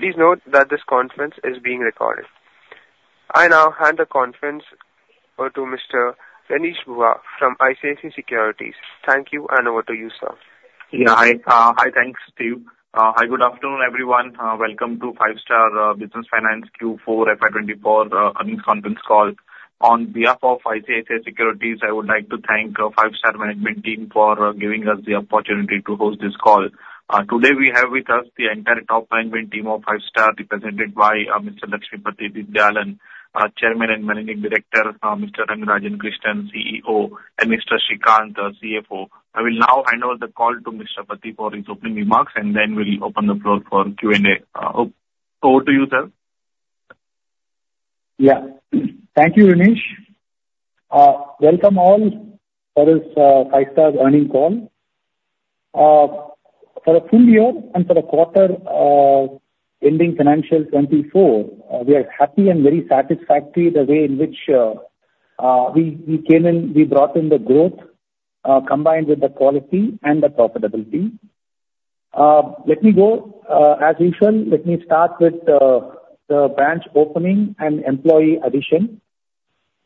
Please note that this conference is being recorded. I now hand the conference over to Mr. Renish Bhuva from ICICI Securities. Thank you, and over to you, sir. Yeah, hi, hi thanks, Steve. Hi, good afternoon everyone. Welcome to Five-Star Business Finance Q4 FY2024 earnings conference call. On behalf of ICICI Securities, I would like to thank Five-Star Management Team for giving us the opportunity to host this call. Today we have with us the entire top management team of Five-Star, represented by Mr. Lakshmipathy Deenadayalan, Chairman and Managing Director, Mr. Rangarajan Krishnan, CEO, and Mr. Srikanth, CFO. I will now hand over the call to Mr. Lakshmipathy for his opening remarks, and then we'll open the floor for Q&A. Over to you, sir. Yeah, thank you, Renish. Welcome all for this, Five-Star's earnings call. For a full year and for a quarter, ending financial 2024, we are happy and very satisfactory the way in which, we came in, we brought in the growth, combined with the quality and the profitability. Let me go, as usual, let me start with, the branch opening and employee addition.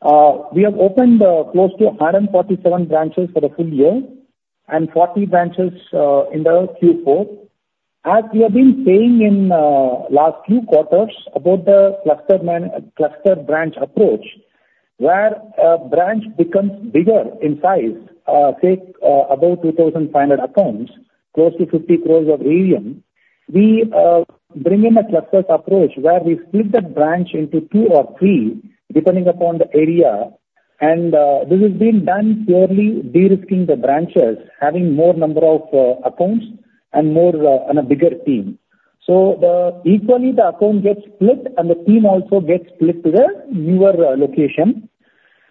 We have opened, close to 147 branches for the full year and 40 branches, in the Q4. As we have been saying in, last few quarters about the cluster branch approach, where, branch becomes bigger in size, say, about 2,500 accounts, close to 50 crore of AUM, we, bring in a cluster approach where we split the branch into two or three depending upon the area. This has been done purely de-risking the branches, having more number of accounts and a bigger team. So equally the account gets split and the team also gets split to the newer location.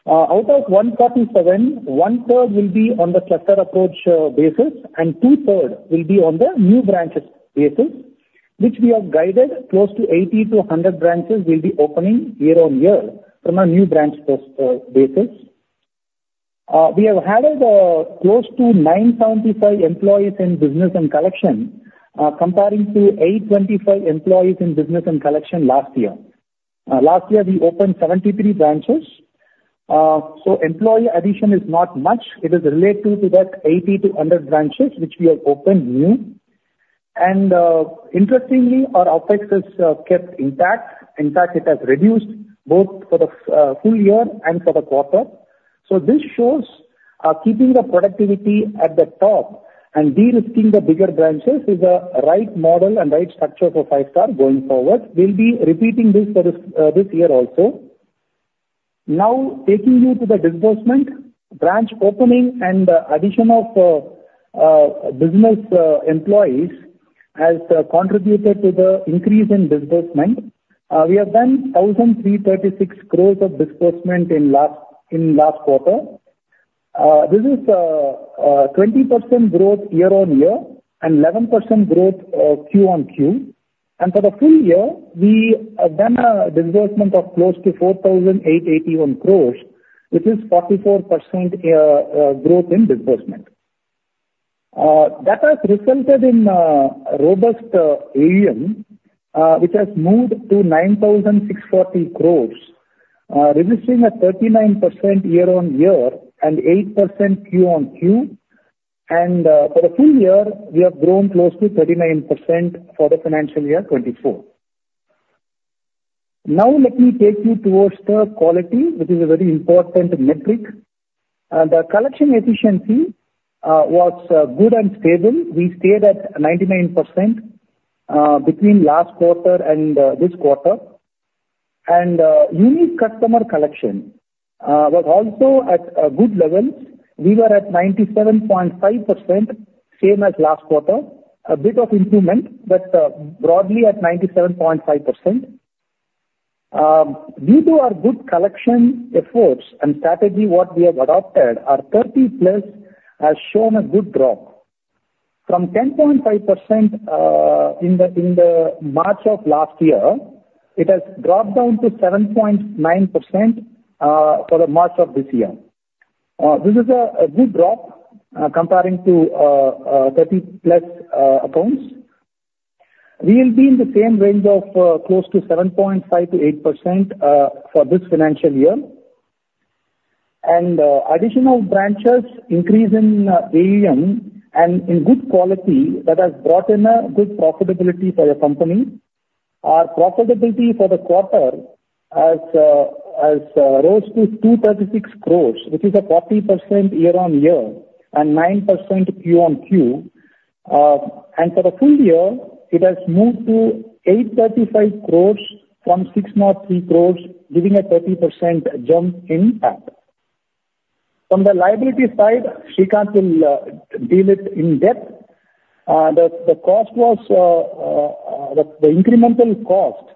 Out of 147, one-third will be on the cluster approach basis, and two-thirds will be on the new branches basis, which we have guided close to 80-100 branches will be opening year-on-year from a new branch post basis. We have added close to 975 employees in business and collection, comparing to 825 employees in business and collection last year. Last year we opened 73 branches. So employee addition is not much. It is related to that 80-100 branches which we have opened new. Interestingly, our OpEx has kept intact. In fact, it has reduced both for the full year and for the quarter. So this shows, keeping the productivity at the top and de-risking the bigger branches is a right model and right structure for Five-Star going forward. We'll be repeating this for this year also. Now taking you to the disbursement. Branch opening and the addition of business employees has contributed to the increase in disbursement. We have done 1,336 crores of disbursement in last quarter. This is 20% growth year-on-year and 11% growth Q-on-Q. And for the full year, we have done a disbursement of close to 4,881 crores, which is 44% growth in disbursement. That has resulted in robust AUM, which has moved to 9,640 crores, registering a 39% year-on-year and 8% Q-on-Q. And for the full year, we have grown close to 39% for the financial year 2024. Now let me take you towards the quality, which is a very important metric. The collection efficiency was good and stable. We stayed at 99% between last quarter and this quarter. Unique customer collection was also at good levels. We were at 97.5%, same as last quarter, a bit of improvement, but broadly at 97.5%. Due to our good collection efforts and strategy, what we have adopted, 30-plus has shown a good drop. From 10.5% in the March of last year, it has dropped down to 7.9% for the March of this year. This is a good drop comparing to 30-plus accounts. We'll be in the same range of close to 7.5%-8% for this financial year. Additional branches increase in AUM and in good quality that has brought in a good profitability for your company. Our profitability for the quarter has rose to 236 crores, which is a 40% year-on-year and 9% Q on Q. For the full year, it has moved to 835 crores from 603 crores, giving a 30% jump in that. From the liability side, Srikanth will deal it in depth. The incremental cost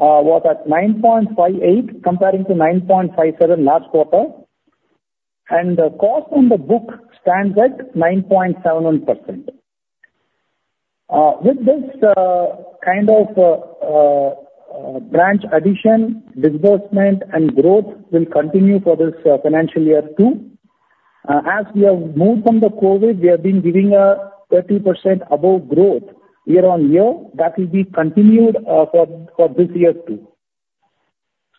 was at 9.58% comparing to 9.57% last quarter. And the cost on the book stands at 9.71%. With this kind of branch addition, disbursement, and growth will continue for this financial year too. As we have moved from the COVID, we have been giving a 30% above growth year-on-year. That will be continued for this year too.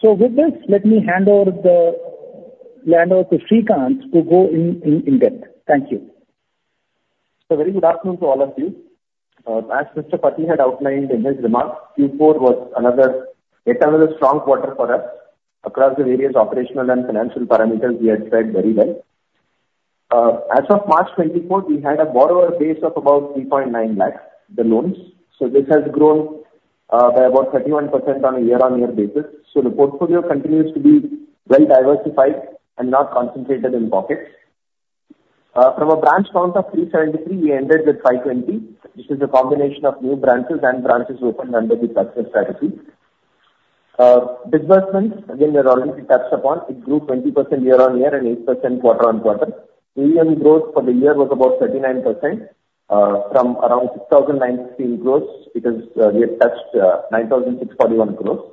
So with this, let me hand over the call to Srikanth to go in depth. Thank you. So very good afternoon to all of you. As Mr. Pathy had outlined in his remarks, Q4 was another. It's another strong quarter for us. Across the various operational and financial parameters, we have fared very well. As of March 2024, we had a borrower base of about 3.9 lakh, the loans. So this has grown by about 31% on a year-on-year basis. So the portfolio continues to be well diversified and not concentrated in pockets. From a branch count of 373, we ended with 520, which is a combination of new branches and branches opened under the cluster strategy. Disbursements, again, we have already touched upon. It grew 20% year-on-year and 8% quarter-on-quarter. AUM growth for the year was about 39%, from around 6,019 crores. It is, we have touched, 9,641 crores.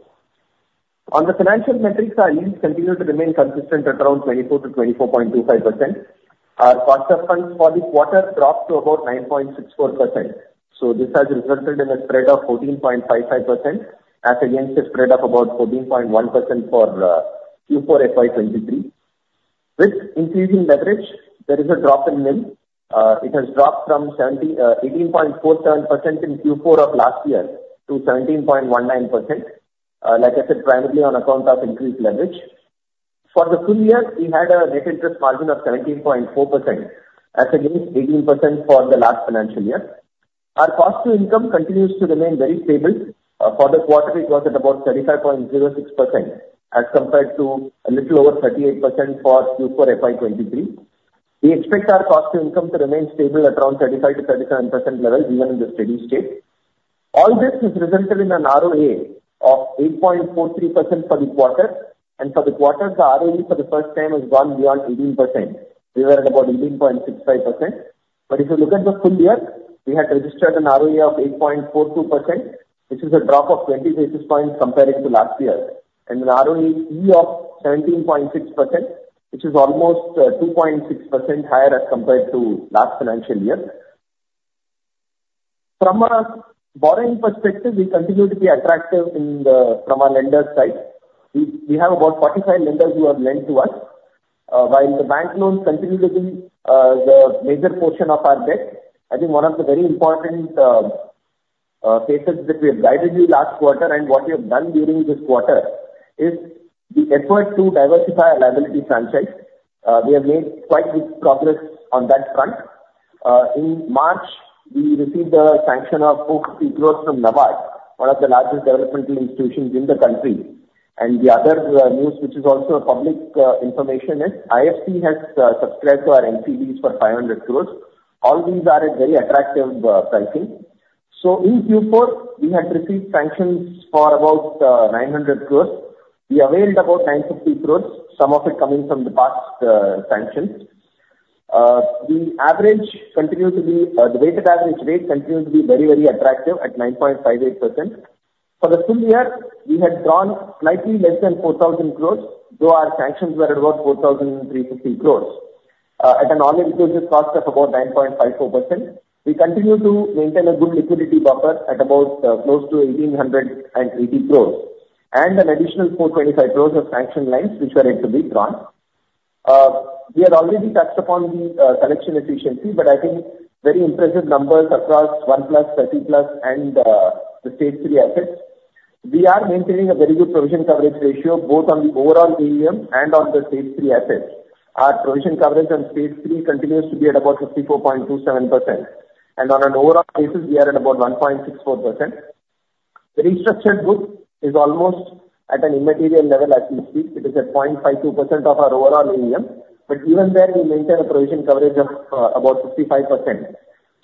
On the financial metrics, our yields continue to remain consistent at around 24%-24.25%. Our cost of funds for this quarter dropped to about 9.64%. So this has resulted in a spread of 14.55% as against a spread of about 14.1% for Q4 FY 2023. With increasing leverage, there is a drop in NIM. It has dropped from 18.47% in Q4 of last year to 17.19%, like I said, primarily on account of increased leverage. For the full year, we had a net interest margin of 17.4% as against 18% for the last financial year. Our cost to income continues to remain very stable. For the quarter, it was at about 35.06% as compared to a little over 38% for Q4 FY 2023. We expect our cost to income to remain stable at around 35%-37% levels even in the steady state. All this has resulted in an ROA of 8.43% for the quarter. And for the quarter, the ROE for the first time has gone beyond 18%. We were at about 18.65%. But if you look at the full year, we had registered an ROE of 8.42%, which is a drop of 20 basis points comparing to last year, and an ROE of 17.6%, which is almost, 2.6% higher as compared to last financial year. From a borrowing perspective, we continue to be attractive in the from our lender side. We, we have about 45 lenders who have lent to us, while the bank loans continue to be, the major portion of our debt. I think one of the very important, facets that we have guided you last quarter and what we have done during this quarter is the effort to diversify a liability franchise. We have made quite good progress on that front. In March, we received a sanction of INR 43 crore from NABARD, one of the largest developmental institutions in the country. The other news, which is also public information, is IFC has subscribed to our NCDs for 500 crore. All these are at very attractive pricing. So in Q4, we had received sanctions for about 900 crore. We availed about 950 crore, some of it coming from the past sanctions. The average continue to be the weighted average rate continues to be very, very attractive at 9.58%. For the full year, we had drawn slightly less than 4,000 crore, though our sanctions were at about 4,350 crore. At an all-inclusive cost of about 9.54%, we continue to maintain a good liquidity buffer at about, close to 1,880 crores and an additional 425 crores of sanction lines which were yet to be drawn. We have already touched upon the, collection efficiency, but I think very impressive numbers across 1+, 30+, and, the Stage III assets. We are maintaining a very good provision coverage ratio both on the overall AUM and on the Stage III assets. Our provision coverage on Stage III continues to be at about 54.27%. And on an overall basis, we are at about 1.64%. The restructured book is almost at an immaterial level as we speak. It is at 0.52% of our overall AUM, but even there, we maintain a provision coverage of, about 55%.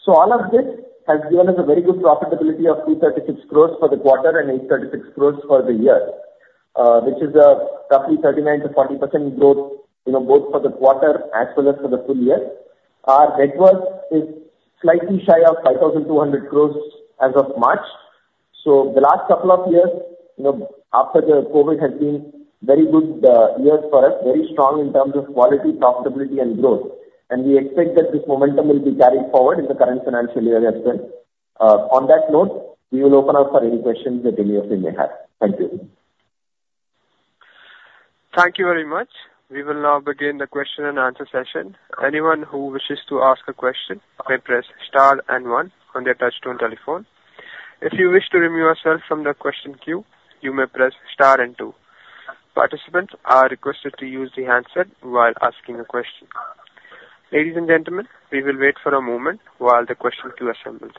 So all of this has given us a very good profitability of 236 crore for the quarter and 836 crore for the year, which is, roughly 39%-40% growth, you know, both for the quarter as well as for the full year. Our net worth is slightly shy of 5,200 crore as of March. So the last couple of years, you know, after the COVID has been very good, years for us, very strong in terms of quality, profitability, and growth. And we expect that this momentum will be carried forward in the current financial year as well. On that note, we will open up for any questions that any of you may have. Thank you. Thank you very much. We will now begin the question and answer session. Anyone who wishes to ask a question may press star and one on their touch-tone telephone. If you wish to remove yourself from the question queue, you may press star and two. Participants are requested to use the handset while asking a question. Ladies and gentlemen, we will wait for a moment while the question queue assembles.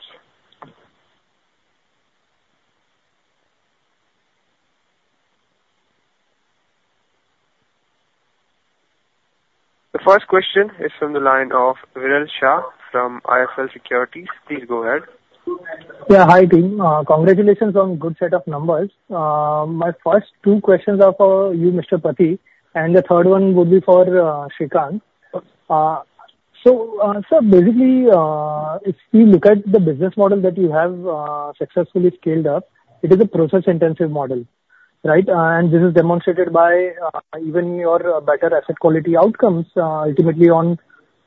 The first question is from the line of Viral Shah from IIFL Securities. Please go ahead. Yeah. Hi, team. Congratulations on good set of numbers. My first two questions are for you, Mr. Pathy, and the third one would be for Srikanth. So, Sir, basically, if we look at the business model that you have, successfully scaled up, it is a process-intensive model, right? And this is demonstrated by even your better asset quality outcomes, ultimately on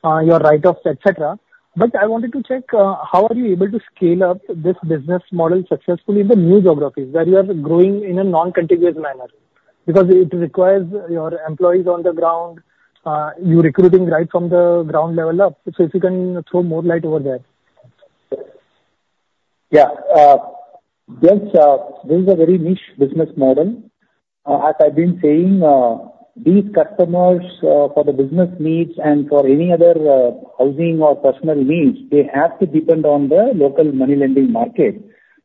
your write-offs, etc. But I wanted to check, how are you able to scale up this business model successfully in the new geographies where you are growing in a non-contiguous manner? Because it requires your employees on the ground, you recruiting right from the ground level up. So if you can throw more light over there. Yeah. Yes, this is a very niche business model. As I've been saying, these customers, for the business needs and for any other, housing or personal needs, they have to depend on the local money lending market.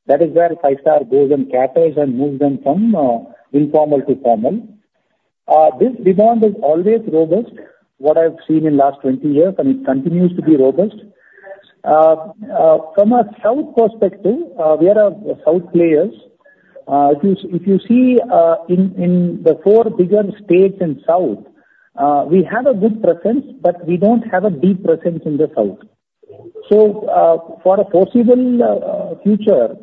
That is where Five-Star goes and caters and moves them from, informal to formal. This demand is always robust, what I've seen in the last 20 years, and it continues to be robust. From a South perspective, we are a, a South player. If you if you see, in, in the four bigger states in South, we have a good presence, but we don't have a deep presence in the South. So, for a foreseeable, future,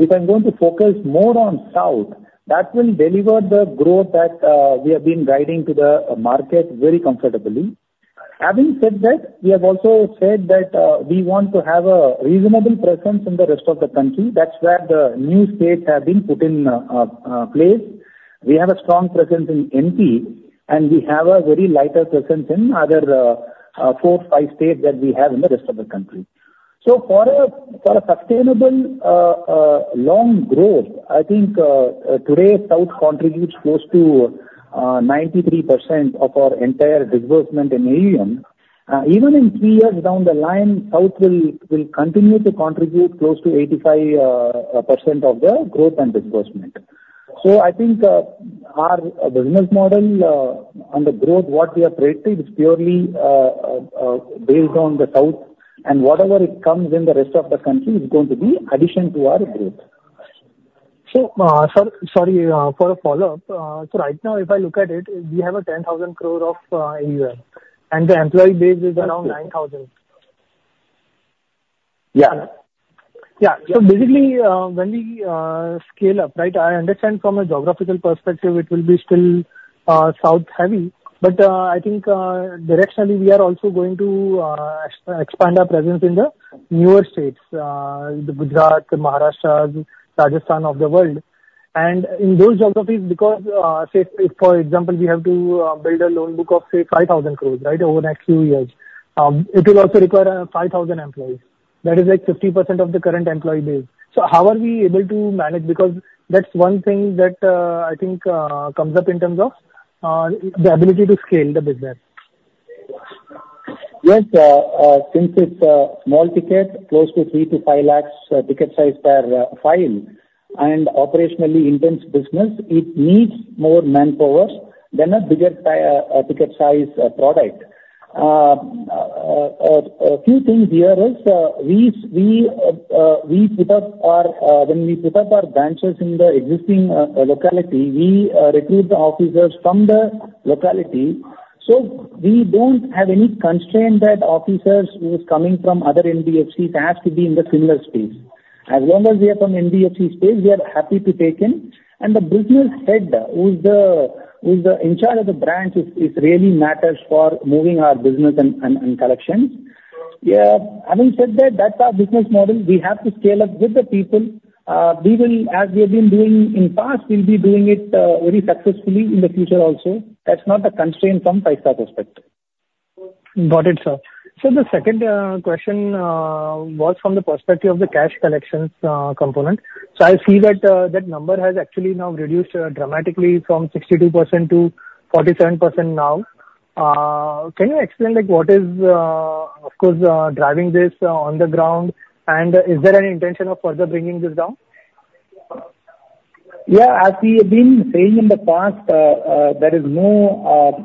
if I'm going to focus more on South, that will deliver the growth that, we have been guiding to the market very comfortably. Having said that, we have also said that we want to have a reasonable presence in the rest of the country. That's where the new states have been put in place. We have a strong presence in MP, and we have a very light presence in other four, five states that we have in the rest of the country. So for a sustainable long growth, I think today South contributes close to 93% of our entire disbursement in AUM. Even in three years down the line, South will continue to contribute close to 85% of the growth and disbursement. So I think our business model on the growth what we have predicted is purely based on the South, and whatever it comes in the rest of the country is going to be addition to our growth. So, for a follow-up. Right now, if I look at it, we have 10,000 crore of AUM, and the employee base is around 9,000. Yeah. Yeah. So basically, when we scale up, right, I understand from a geographical perspective, it will be still south-heavy. But I think directionally we are also going to expand our presence in the newer states, the Gujarat, Maharashtra, Rajasthan of the world. And in those geographies, because say if for example we have to build a loan book of say 5,000 crore, right, over the next few years, it will also require 5,000 employees. That is like 50% of the current employee base. So how are we able to manage? Because that's one thing that I think comes up in terms of the ability to scale the business. Yes. Since it's a small ticket, close to 3-5 lakhs ticket size per file, and operationally intense business, it needs more manpower than a bigger ticket size product. A few things here is, we put up our, when we put up our branches in the existing locality, we recruit the officers from the locality. So we don't have any constraint that officers who are coming from other NBFCs have to be in the similar space. As long as we are from NBFC space, we are happy to take in. And the business head who's the in charge of the branch is really matters for moving our business and collections. Yeah. Having said that, that's our business model. We have to scale up with the people. We will, as we have been doing in the past, we'll be doing it very successfully in the future also. That's not a constraint from Five-Star perspective. Got it, sir. So the second question was from the perspective of the cash collections component. So I see that that number has actually now reduced dramatically from 62% to 47% now. Can you explain, like, what is, of course, driving this on the ground? And is there any intention of further bringing this down? Yeah. As we have been saying in the past, there is no,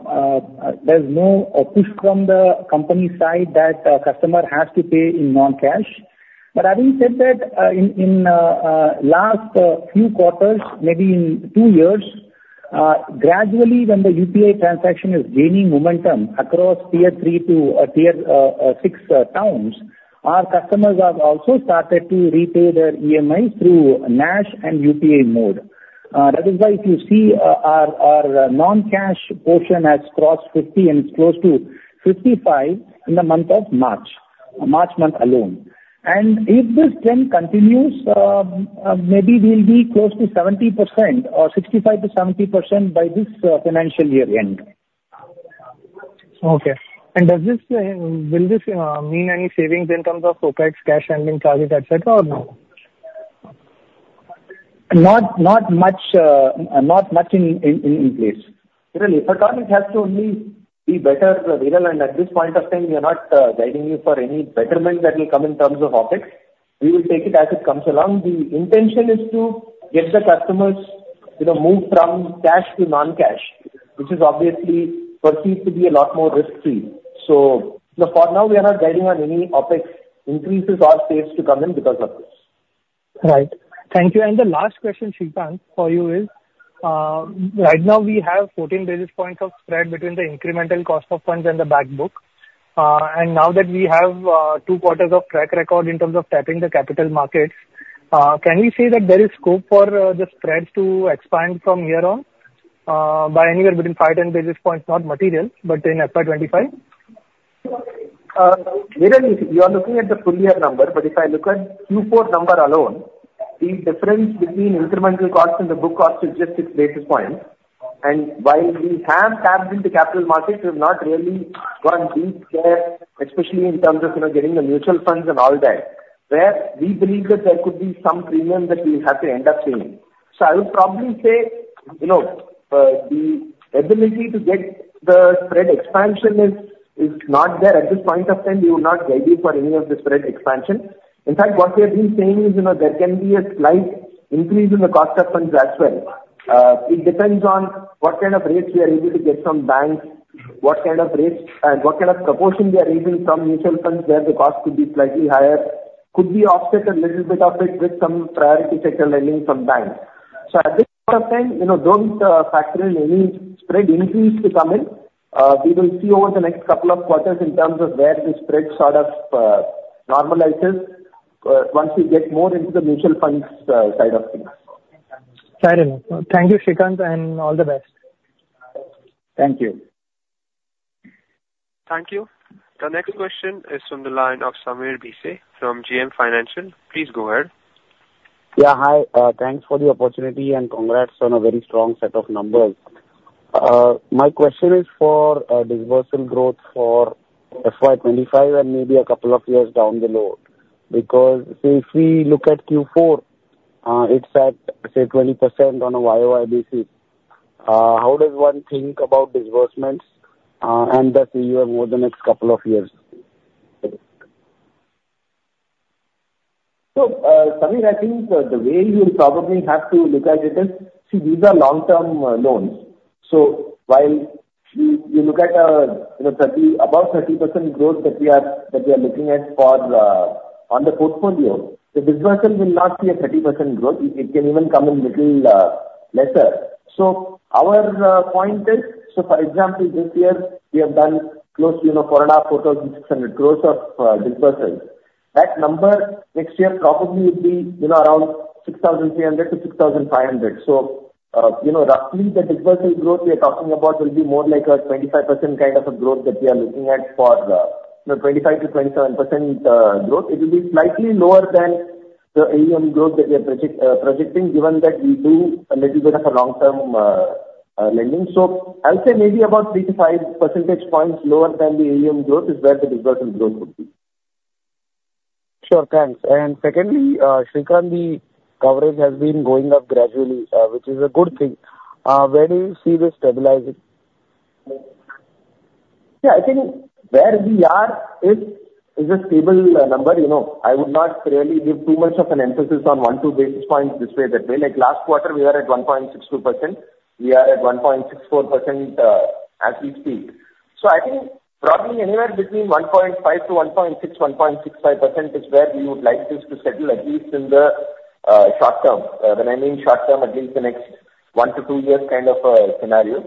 there is no push from the company side that customer has to pay in non-cash. But having said that, in, in last few quarters, maybe in two years, gradually, when the UPI transaction is gaining momentum across tier three to tier six towns, our customers have also started to repay their EMIs through NACH and UPI mode. That is why if you see, our, our non-cash portion has crossed 50%, and it's close to 55% in the month of March, March month alone. And if this trend continues, maybe we'll be close to 70% or 65%-70% by this financial year end. Okay. Does this, will this, mean any savings in terms of OPEX, cash handling, target, etc., or no? Not much in place. Really. For car, it has to only be better, Viral. At this point of time, we are not guiding you for any betterment that will come in terms of OpEx. We will take it as it comes along. The intention is to get the customers, you know, move from cash to non-cash, which is obviously perceived to be a lot more risk-free. So, you know, for now, we are not guiding on any OpEx increases or saves to come in because of this. Right. Thank you. And the last question, Srikanth, for you is, right now, we have 14 basis points of spread between the incremental cost of funds and the backbook. And now that we have Q2 of track record in terms of tapping the capital markets, can we say that there is scope for the spreads to expand from here on, by anywhere between 5-10 basis points, not material, but in FY2025? Viral, you are looking at the full-year number. But if I look at Q4 number alone, the difference between incremental costs and the book cost is just 6 basis points. And while we have tapped into capital markets, we have not really gone deep there, especially in terms of, you know, getting the mutual funds and all that, where we believe that there could be some premium that we'll have to end up paying. So I would probably say, you know, the ability to get the spread expansion is, is not there. At this point of time, we will not guide you for any of the spread expansion. In fact, what we have been saying is, you know, there can be a slight increase in the cost of funds as well. It depends on what kind of rates we are able to get from banks, what kind of rates, what kind of proportion we are raising from mutual funds where the cost could be slightly higher, could be offset a little bit of it with some priority sector lending from banks. So at this point of time, you know, don't factor in any spread increase to come in. We will see over the next couple of quarters in terms of where the spread sort of normalizes, once we get more into the mutual funds side of things. Fair enough. Thank you, Srikanth, and all the best. Thank you. Thank you. The next question is from the line of Sameer Bhise from JM Financial. Please go ahead. Yeah. Hi. Thanks for the opportunity, and congrats on a very strong set of numbers. My question is for disbursal growth for FY2025 and maybe a couple of years down the road. Because, say, if we look at Q4, it's at, say, 20% on a YOY basis. How does one think about disbursements, and the AUM over the next couple of years? So, Sameer, I think, the way you will probably have to look at it is, see, these are long-term loans. So while you, you look at a, you know, 30%+ growth that we are that we are looking at for, on the portfolio, the disbursal will not be a 30% growth. It, it can even come in little lesser. So our point is, so for example, this year, we have done close, you know, 4,500-4,600 crore of disbursals. That number next year probably would be, you know, around 6,300-6,500 crore. So, you know, roughly, the disbursal growth we are talking about will be more like a 25% kind of a growth that we are looking at for, you know, 25%-27% growth. It will be slightly lower than the AUM growth that we are projecting given that we do a little bit of a long-term lending. So I would say maybe about 3-5 percentage points lower than the AUM growth is where the disbursal growth would be. Sure. Thanks. And secondly, Srikanth, the coverage has been going up gradually, which is a good thing. Where do you see this stabilizing? Yeah. I think where we are is a stable number. You know, I would not really give too much of an emphasis on one to basis points this way that way. Like, last quarter, we were at 1.62%. We are at 1.64%, as we speak. So I think probably anywhere between 1.5%-1.6%, 1.65% is where we would like this to settle at least in the short term. When I mean short term, at least the next one to two years kind of scenario.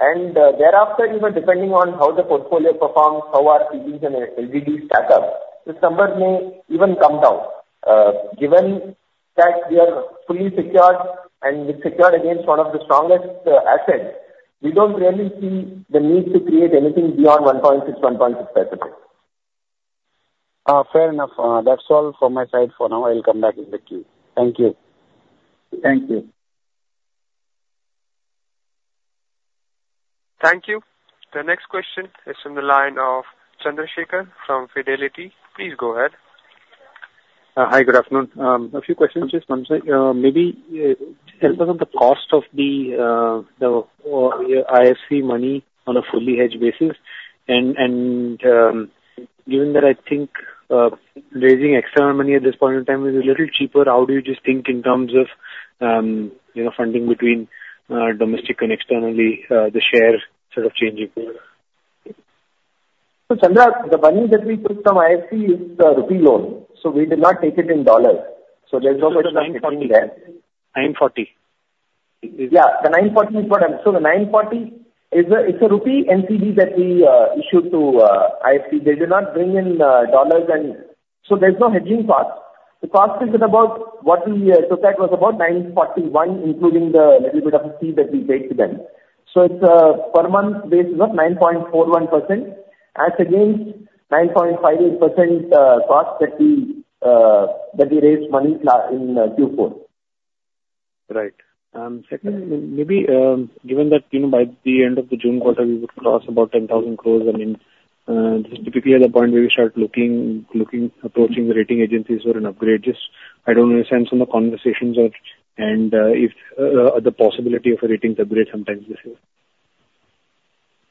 And, thereafter, you know, depending on how the portfolio performs, how our PDs and LGDs stack up, this number may even come down. Given that we are fully secured and secured against one of the strongest assets, we don't really see the need to create anything beyond 1.6%-1.65%. Fair enough. That's all from my side for now. I'll come back in the queue. Thank you. Thank you. Thank you. The next question is from the line of Chandrasekhar from Fidelity. Please go ahead. Hi. Good afternoon. A few questions. Just one sec. Maybe tell us on the cost of the IFC money on a fully hedged basis. And given that I think raising external money at this point in time is a little cheaper, how do you think in terms of, you know, funding between domestic and external, the share sort of changing? So Chandra, the money that we put from IFC is a rupee loan. So we did not take it in dollars. So there's no such thing there. 940. 940. Yeah. The 940 is what I'm so the 940 is a, it's a rupee NCD that we issued to IFC. They did not bring in dollars. And so there's no hedging cost. The cost is at about what we took at was about 941 including the little bit of a fee that we paid to them. So it's per month basis of 9.41% as against 9.58% cost that we that we raised money in Q4. Right. Secondly, maybe, given that, you know, by the end of the June quarter, we would cross about 10,000 crore, I mean, this is typically at the point where we start looking, looking, approaching the rating agencies for an upgrade. Just, I don't understand some of the conversations or. And if the possibility of a ratings upgrade sometimes this year.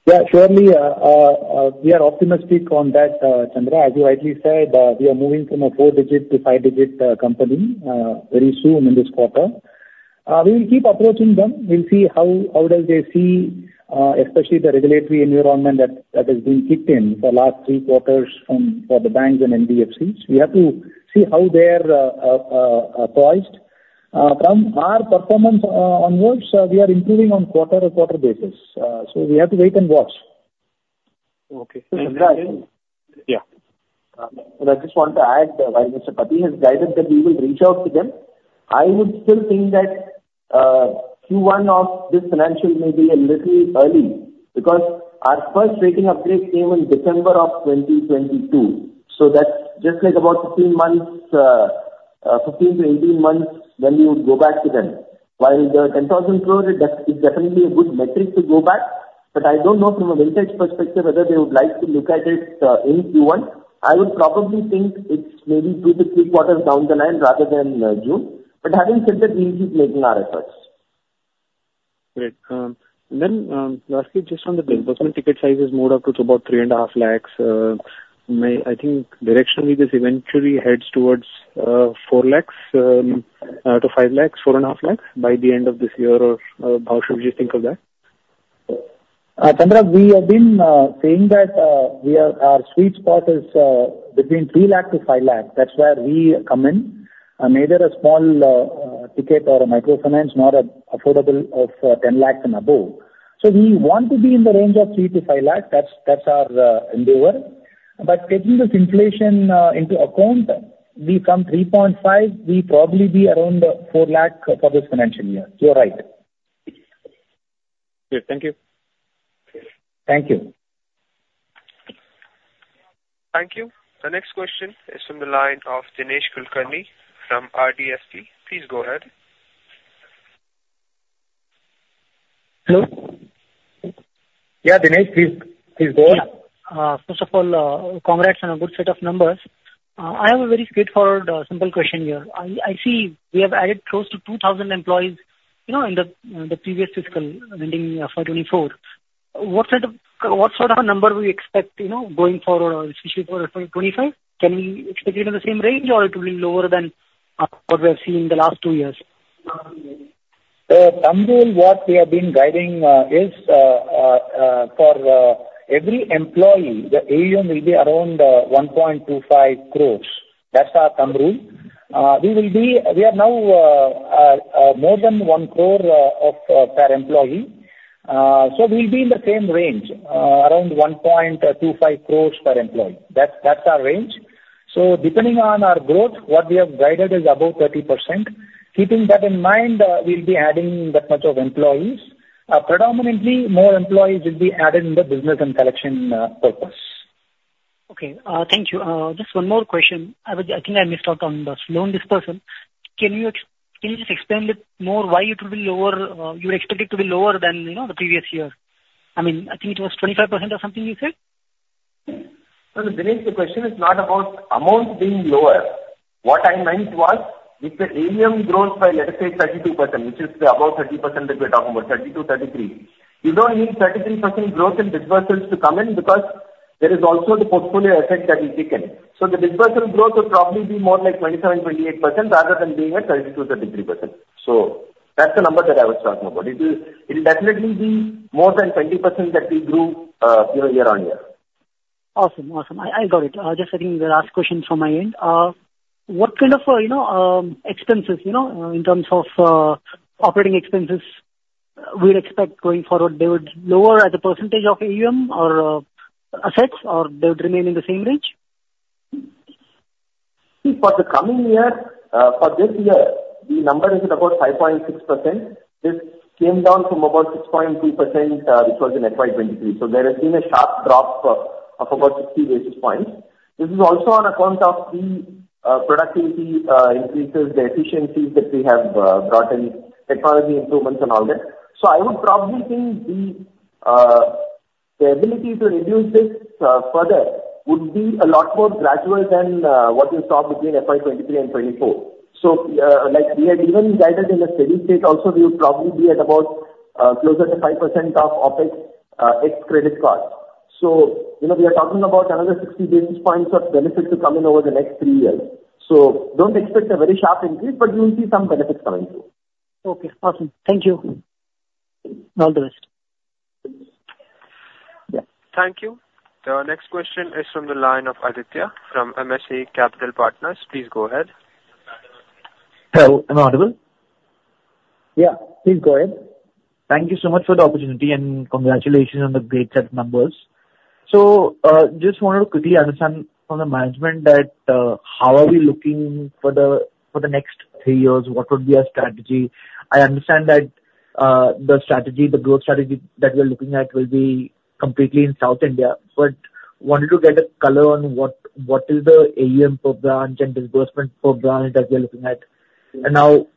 Yeah. Surely, we are optimistic on that, Chandra. As you rightly said, we are moving from a four-digit to five-digit company very soon in this quarter. We will keep approaching them. We'll see how they see, especially the regulatory environment that has been kicked in for the last Q3 from for the banks and NBFCs. We have to see how they are poised. From our performance onwards, we are improving on quarter-quarter basis. So we have to wait and watch. Okay. Yeah. And I just want to add, while Mr. Pathy has guided that we will reach out to them, I would still think that Q1 of this financial may be a little early because our first rating upgrade came in December of 2022. So that's just like about 15 months, 15-18 months when we would go back to them. While the 10,000 crore, that is definitely a good metric to go back. But I don't know from a vintage perspective whether they would like to look at it in Q1. I would probably think it's maybe Q2-Q3 down the line rather than June. But having said that, we'll keep making our efforts. Great. And then, lastly, just on the disbursement, ticket size is moved up to about 3.5 lakhs. Maybe, I think, directionally this eventually heads towards 4 lakhs-5 lakhs, 4.5 lakhs by the end of this year, or how should we just think of that? Chandra, we have been saying that our sweet spot is between 3 lakh-5 lakhs. That's where we come in, neither a small ticket or a microfinance nor an affordable of 10 lakhs and above. So we want to be in the range of 3-5 lakhs. That's our endeavor. But taking this inflation into account, we from 3.5, we probably be around the 4 lakh for this financial year. You're right. Great. Thank you. Thank you. Thank you. The next question is from the line of Dinesh Kulkarni from RDSP. Please go ahead. Hello? Yeah, Dinesh, please, please go ahead. Yeah. First of all, congrats on a good set of numbers. I have a very straightforward, simple question here. I, I see we have added close to 2,000 employees, you know, in the, the previous fiscal lending for 2024. What sort of what sort of a number do we expect, you know, going forward, especially for, for 2025? Can we expect it in the same range, or it will be lower than, what we have seen in the last two years? Thumb rule what we have been guiding is for every employee, the AUM will be around 1.25 crore. That's our thumb rule. We will be we are now more than 1 crore per employee. So we'll be in the same range, around 1.25 crore per employee. That's our range. So depending on our growth, what we have guided is about 30%. Keeping that in mind, we'll be adding that much of employees. Predominantly, more employees will be added in the business and collection purpose. Okay. Thank you. Just one more question. I think I missed out on this loan disbursal. Can you just explain a bit more why it will be lower? You would expect it to be lower than, you know, the previous year? I mean, I think it was 25% or something you said? No, Dinesh, the question is not about amount being lower. What I meant was, with the AUM growth by, let us say, 32%, which is the above 30% that we're talking about, 32-33, you don't need 33% growth in disbursals to come in because there is also the portfolio effect that we've taken. So the disbursal growth will probably be more like 27%-28% rather than being at 32%-33%. So that's the number that I was talking about. It will definitely be more than 20% that we grew, you know, year-over-year. Awesome. Awesome. I got it. Just, I think, the last question from my end. What kind of, you know, expenses, you know, in terms of operating expenses, we'd expect going forward? They would lower as a percentage of AUM or assets, or they would remain in the same range? See, for the coming year, for this year, the number is at about 5.6%. This came down from about 6.2%, which was in FY2023. So there has been a sharp drop, of about 60 basis points. This is also on account of the productivity increases, the efficiencies that we have brought in, technology improvements, and all that. So I would probably think the ability to reduce this further would be a lot more gradual than what you saw between FY2023 and 2024. So, like, we had even guided in a steady state also, we would probably be at about closer to 5% of OPEX's, ex-credit cost. So, you know, we are talking about another 60 basis points of benefits to come in over the next three years. So don't expect a very sharp increase, but you will see some benefits coming through. Okay. Awesome. Thank you. All the best. Yeah. Thank you. The next question is from the line of Aditya from MSA Capital Partners. Please go ahead. Hello, am I audible? Yeah. Please go ahead. Thank you so much for the opportunity, and congratulations on the great set of numbers. So, just wanted to quickly understand from the management that, how are we looking for the next three years? What would be our strategy? I understand that, the strategy, the growth strategy that we are looking at will be completely in South India, but wanted to get a color on what, what is the AUM per branch and disbursement per branch that we are looking at. And now,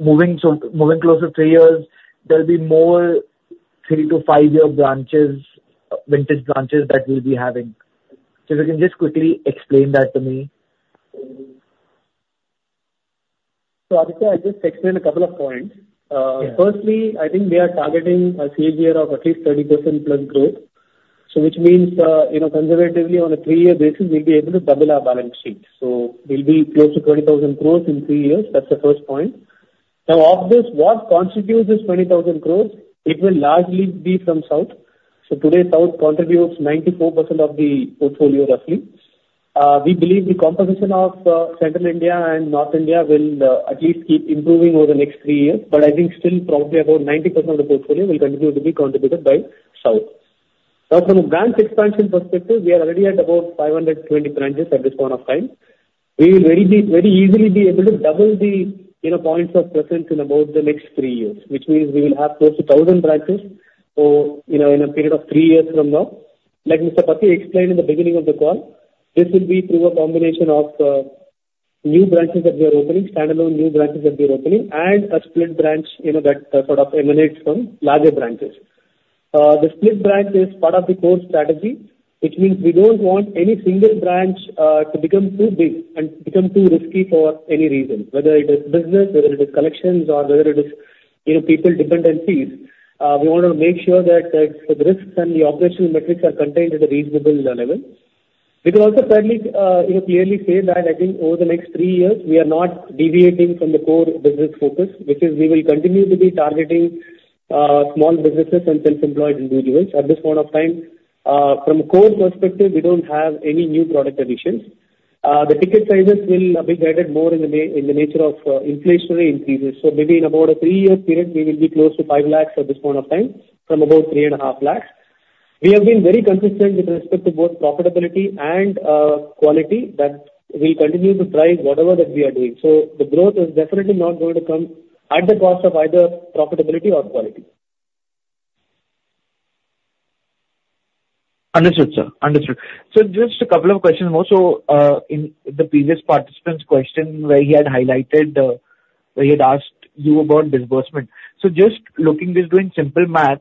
moving so moving closer three years, there'll be more three to five-year branches, vintage branches that we'll be having. So if you can just quickly explain that to me. So Aditya, I'll just explain a couple of points. Firstly, I think we are targeting a CAGR of at least 30%+ growth, so which means, you know, conservatively, on a three-year basis, we'll be able to double our balance sheet. So we'll be close to 20,000 crore in three years. That's the first point. Now, of this, what constitutes this 20,000 crore? It will largely be from South. So today, South contributes 94% of the portfolio, roughly. We believe the composition of Central India and North India will at least keep improving over the next three years. But I think still, probably about 90% of the portfolio will continue to be contributed by South. Now, from a branch expansion perspective, we are already at about 520 branches at this point of time. We will very easily be able to double the, you know, points of presence in about the next three years, which means we will have close to 1,000 branches in, you know, a period of three years from now. Like Mr. Pathy explained in the beginning of the call, this will be through a combination of new branches that we are opening, standalone new branches that we are opening, and a split branch, you know, that sort of emanates from larger branches. The split branch is part of the core strategy, which means we don't want any single branch to become too big and become too risky for any reason, whether it is business, whether it is collections, or whether it is, you know, people dependencies. We wanted to make sure that the risks and the operational metrics are contained at a reasonable level. We can also fairly, you know, clearly say that I think over the next three years, we are not deviating from the core business focus, which is we will continue to be targeting small businesses and self-employed individuals at this point of time. From a core perspective, we don't have any new product additions. The ticket sizes will be guided more mainly in the nature of inflationary increases. So maybe in about a three-year period, we will be close to 5 lakhs at this point of time from about 3.5 lakhs. We have been very consistent with respect to both profitability and quality that we'll continue to drive whatever that we are doing. So the growth is definitely not going to come at the cost of either profitability or quality. Understood, sir. Understood. So just a couple of questions more. So, in the previous participant's question where he had highlighted, where he had asked you about disbursement, so just looking doing simple math,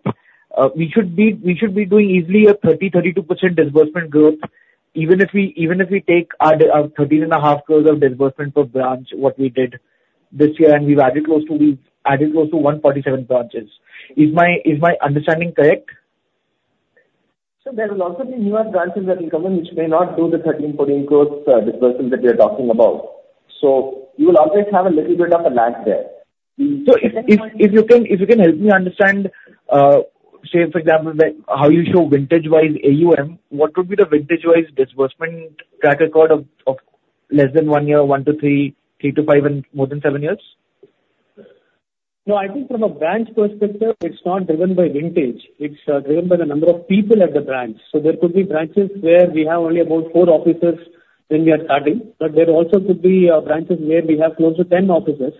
we should be doing easily a 30%-32% disbursement growth even if we take our 13.5 crore of disbursement per branch, what we did this year, and we've added close to 147 branches. Is my understanding correct? So there will also be newer branches that will come in which may not do the 13 crore-14 crore disbursement that we are talking about. So you will always have a little bit of a lag there. We. So if you can help me understand, say, for example, how you show vintage-wise AUM, what would be the vintage-wise disbursement track record of less than one year, one to three, three to five, and more than seven years? No, I think from a branch perspective, it's not driven by vintage. It's driven by the number of people at the branch. So there could be branches where we have only about 4 officers when we are starting, but there also could be branches where we have close to 10 officers.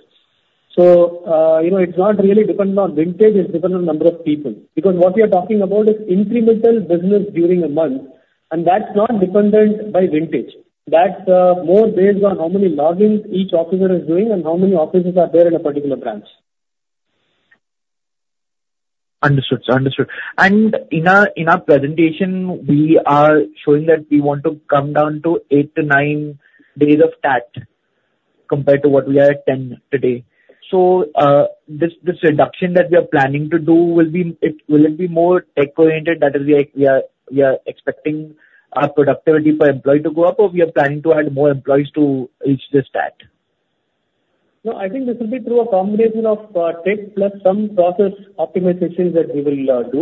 So, you know, it's not really dependent on vintage. It's dependent on the number of people because what we are talking about is incremental business during a month, and that's not dependent by vintage. That's more based on how many logins each officer is doing and how many officers are there in a particular branch. Understood, sir. Understood. In our presentation, we are showing that we want to come down to eight to nine days of TAT compared to what we are at 10 today. So, this reduction that we are planning to do will it be more tech-oriented? That is, we are expecting our productivity per employee to go up, or we are planning to add more employees to reach this TAT? No, I think this will be through a combination of tech plus some process optimizations that we will do.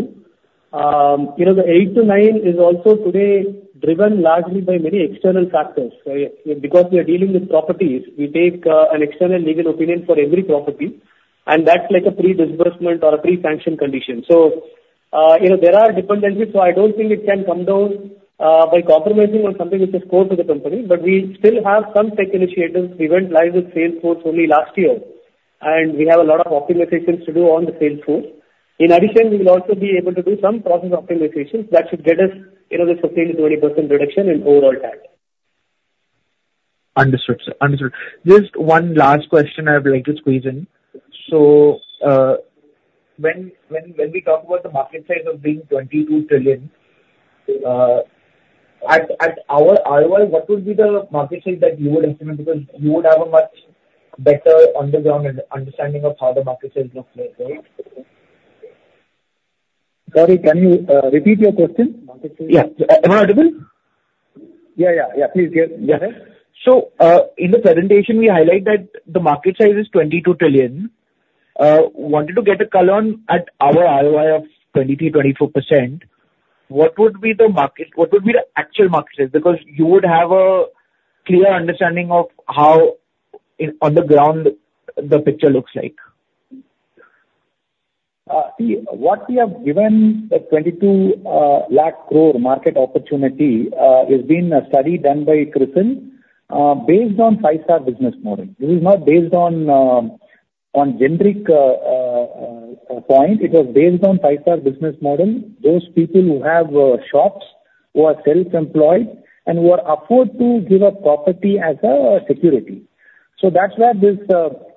You know, the 8-9 is also today driven largely by many external factors. Because we are dealing with properties, we take an external legal opinion for every property, and that's like a pre-disbursement or a pre-sanction condition. So, you know, there are dependencies, so I don't think it can come down by compromising on something which is core to the company. But we still have some tech initiatives. We went live with Salesforce only last year, and we have a lot of optimizations to do on the Salesforce. In addition, we will also be able to do some process optimizations that should get us, you know, the 15%-20% reduction in overall TAT. Understood, sir. Understood. Just one last question I would like to squeeze in. So, when we talk about the market size of being 22 trillion at our AUM, what would be the market size that you would estimate? Because you would have a much better on-ground understanding of how the market size looks like, right? Sorry, can you repeat your question? Market size? Yeah. Am I audible? Yeah, yeah, yeah. Please go ahead. Yeah. So, in the presentation, we highlight that the market size is 22 trillion. Wanted to get a color on at our ROI of 23%-24%, what would be the market what would be the actual market size? Because you would have a clear understanding of how, in on the ground, the picture looks like. See, what we have given, the 2,200,000 crore market opportunity, has been a study done by CRISIL, based on Five-Star Business Model. This is not based on, on generic, point. It was based on Five-Star Business Model, those people who have, shops, who are self-employed, and who are afford to give up property as a security. So that's where this,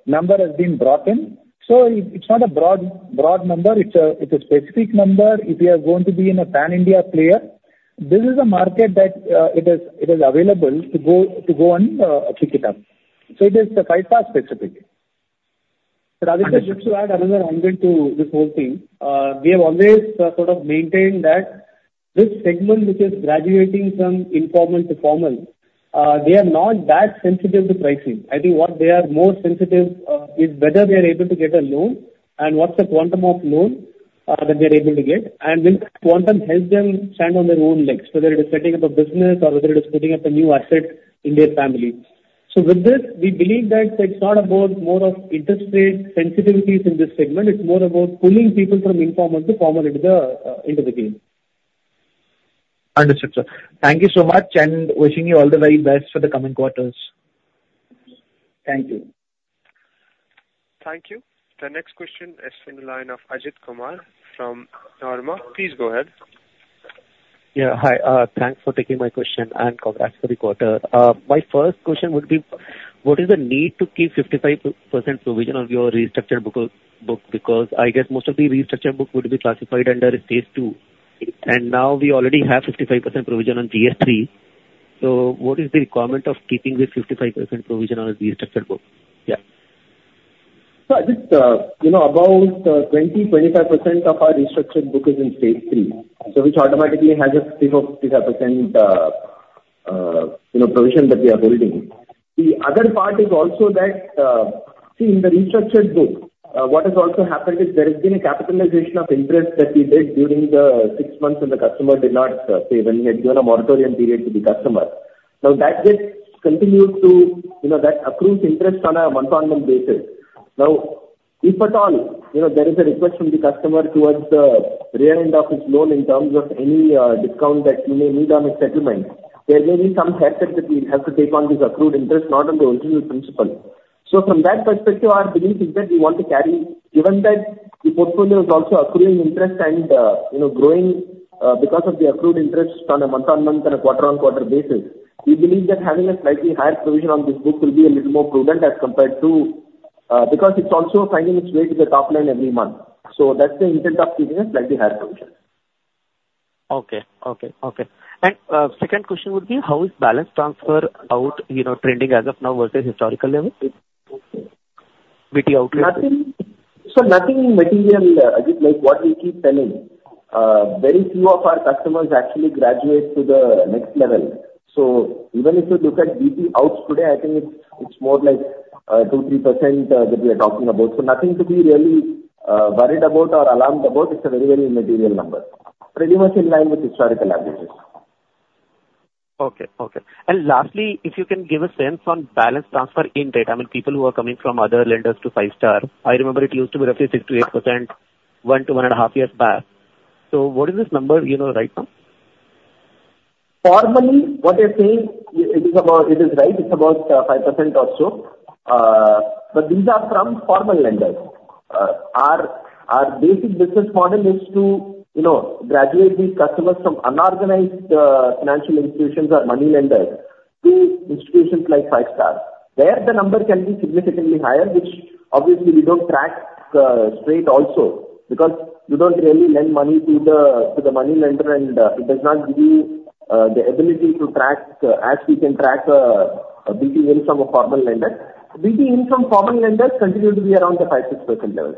number has been brought in. So it's not a broad, broad number. It's a it's a specific number. If we are going to be in a Pan-India player, this is a market that, it is it is available to go to go and, pick it up. So it is the Five-Star specific. But Aditya, just to add another angle to this whole thing, we have always, sort of maintained that this segment which is graduating from informal to formal, they are not that sensitive to pricing. I think what they are more sensitive to is whether they are able to get a loan and what's the quantum of loan that they are able to get, and will that quantum help them stand on their own legs, whether it is setting up a business or whether it is putting up a new asset in their family. So with this, we believe that it's not about more of interest rate sensitivities in this segment. It's more about pulling people from informal to formal into the, into the game. Understood, sir. Thank you so much, and wishing you all the very best for the coming quarters. Thank you. Thank you. The next question is in the line of Ajit Kumar from Dharma. Please go ahead. Yeah. Hi. Thanks for taking my question, and congrats for the quarter. My first question would be, what is the need to keep 55% provision on your restructured book because I guess most of the restructured book would be classified under Stage two. And now we already have 55% provision on Phase III. So what is the requirement of keeping this 55% provision on a restructured book? Yeah. So I think, you know, about 20%-25% of our restructured book is in Stage 3, so which automatically has a 55%, you know, provision that we are holding. The other part is also that, see, in the restructured book, what has also happened is there has been a capitalization of interest that we did during the six months when the customer did not pay when we had given a moratorium period to the customer. Now, that gets continued to, you know, that accrues interest on a month-on-month basis. Now, if at all, you know, there is a request from the customer towards the rear end of his loan in terms of any discount that he may need on his settlement, there may be some hesitation that he'll have to take on this accrued interest, not on the original principal. So from that perspective, our belief is that we want to carry given that the portfolio is also accruing interest and, you know, growing, because of the accrued interest on a month-on-month and a quarter-on-quarter basis, we believe that having a slightly higher provision on this book will be a little more prudent as compared to, because it's also finding its way to the top line every month. So that's the intent of keeping a slightly higher provision. Okay. Okay. Okay. Second question would be, how is balance transfer out, you know, trending as of now versus historical level? BT outlets? Nothing, so nothing material, Ajit, like what we keep telling. Very few of our customers actually graduate to the next level. So even if you look at BT outs today, I think it's more like 2%-3% that we are talking about. So nothing to be really worried about or alarmed about. It's a very, very immaterial number, pretty much in line with historical averages. Okay. Okay. And lastly, if you can give a sense on balance transfer in data, I mean, people who are coming from other lenders to Five-Star, I remember it used to be roughly 6%-8% one to 1.5 years back. So what is this number, you know, right now? Formally, what they're saying, it is about, it is right. It's about 5% or so. But these are from formal lenders. Our basic business model is to, you know, graduate these customers from unorganized financial institutions or money lenders to institutions like Five-Star. There, the number can be significantly higher, which obviously we don't track straight also because you don't really lend money to the money lender, and it does not give you the ability to track as we can track BT income of formal lenders. BT income formal lenders continue to be around the 5%-6% levels.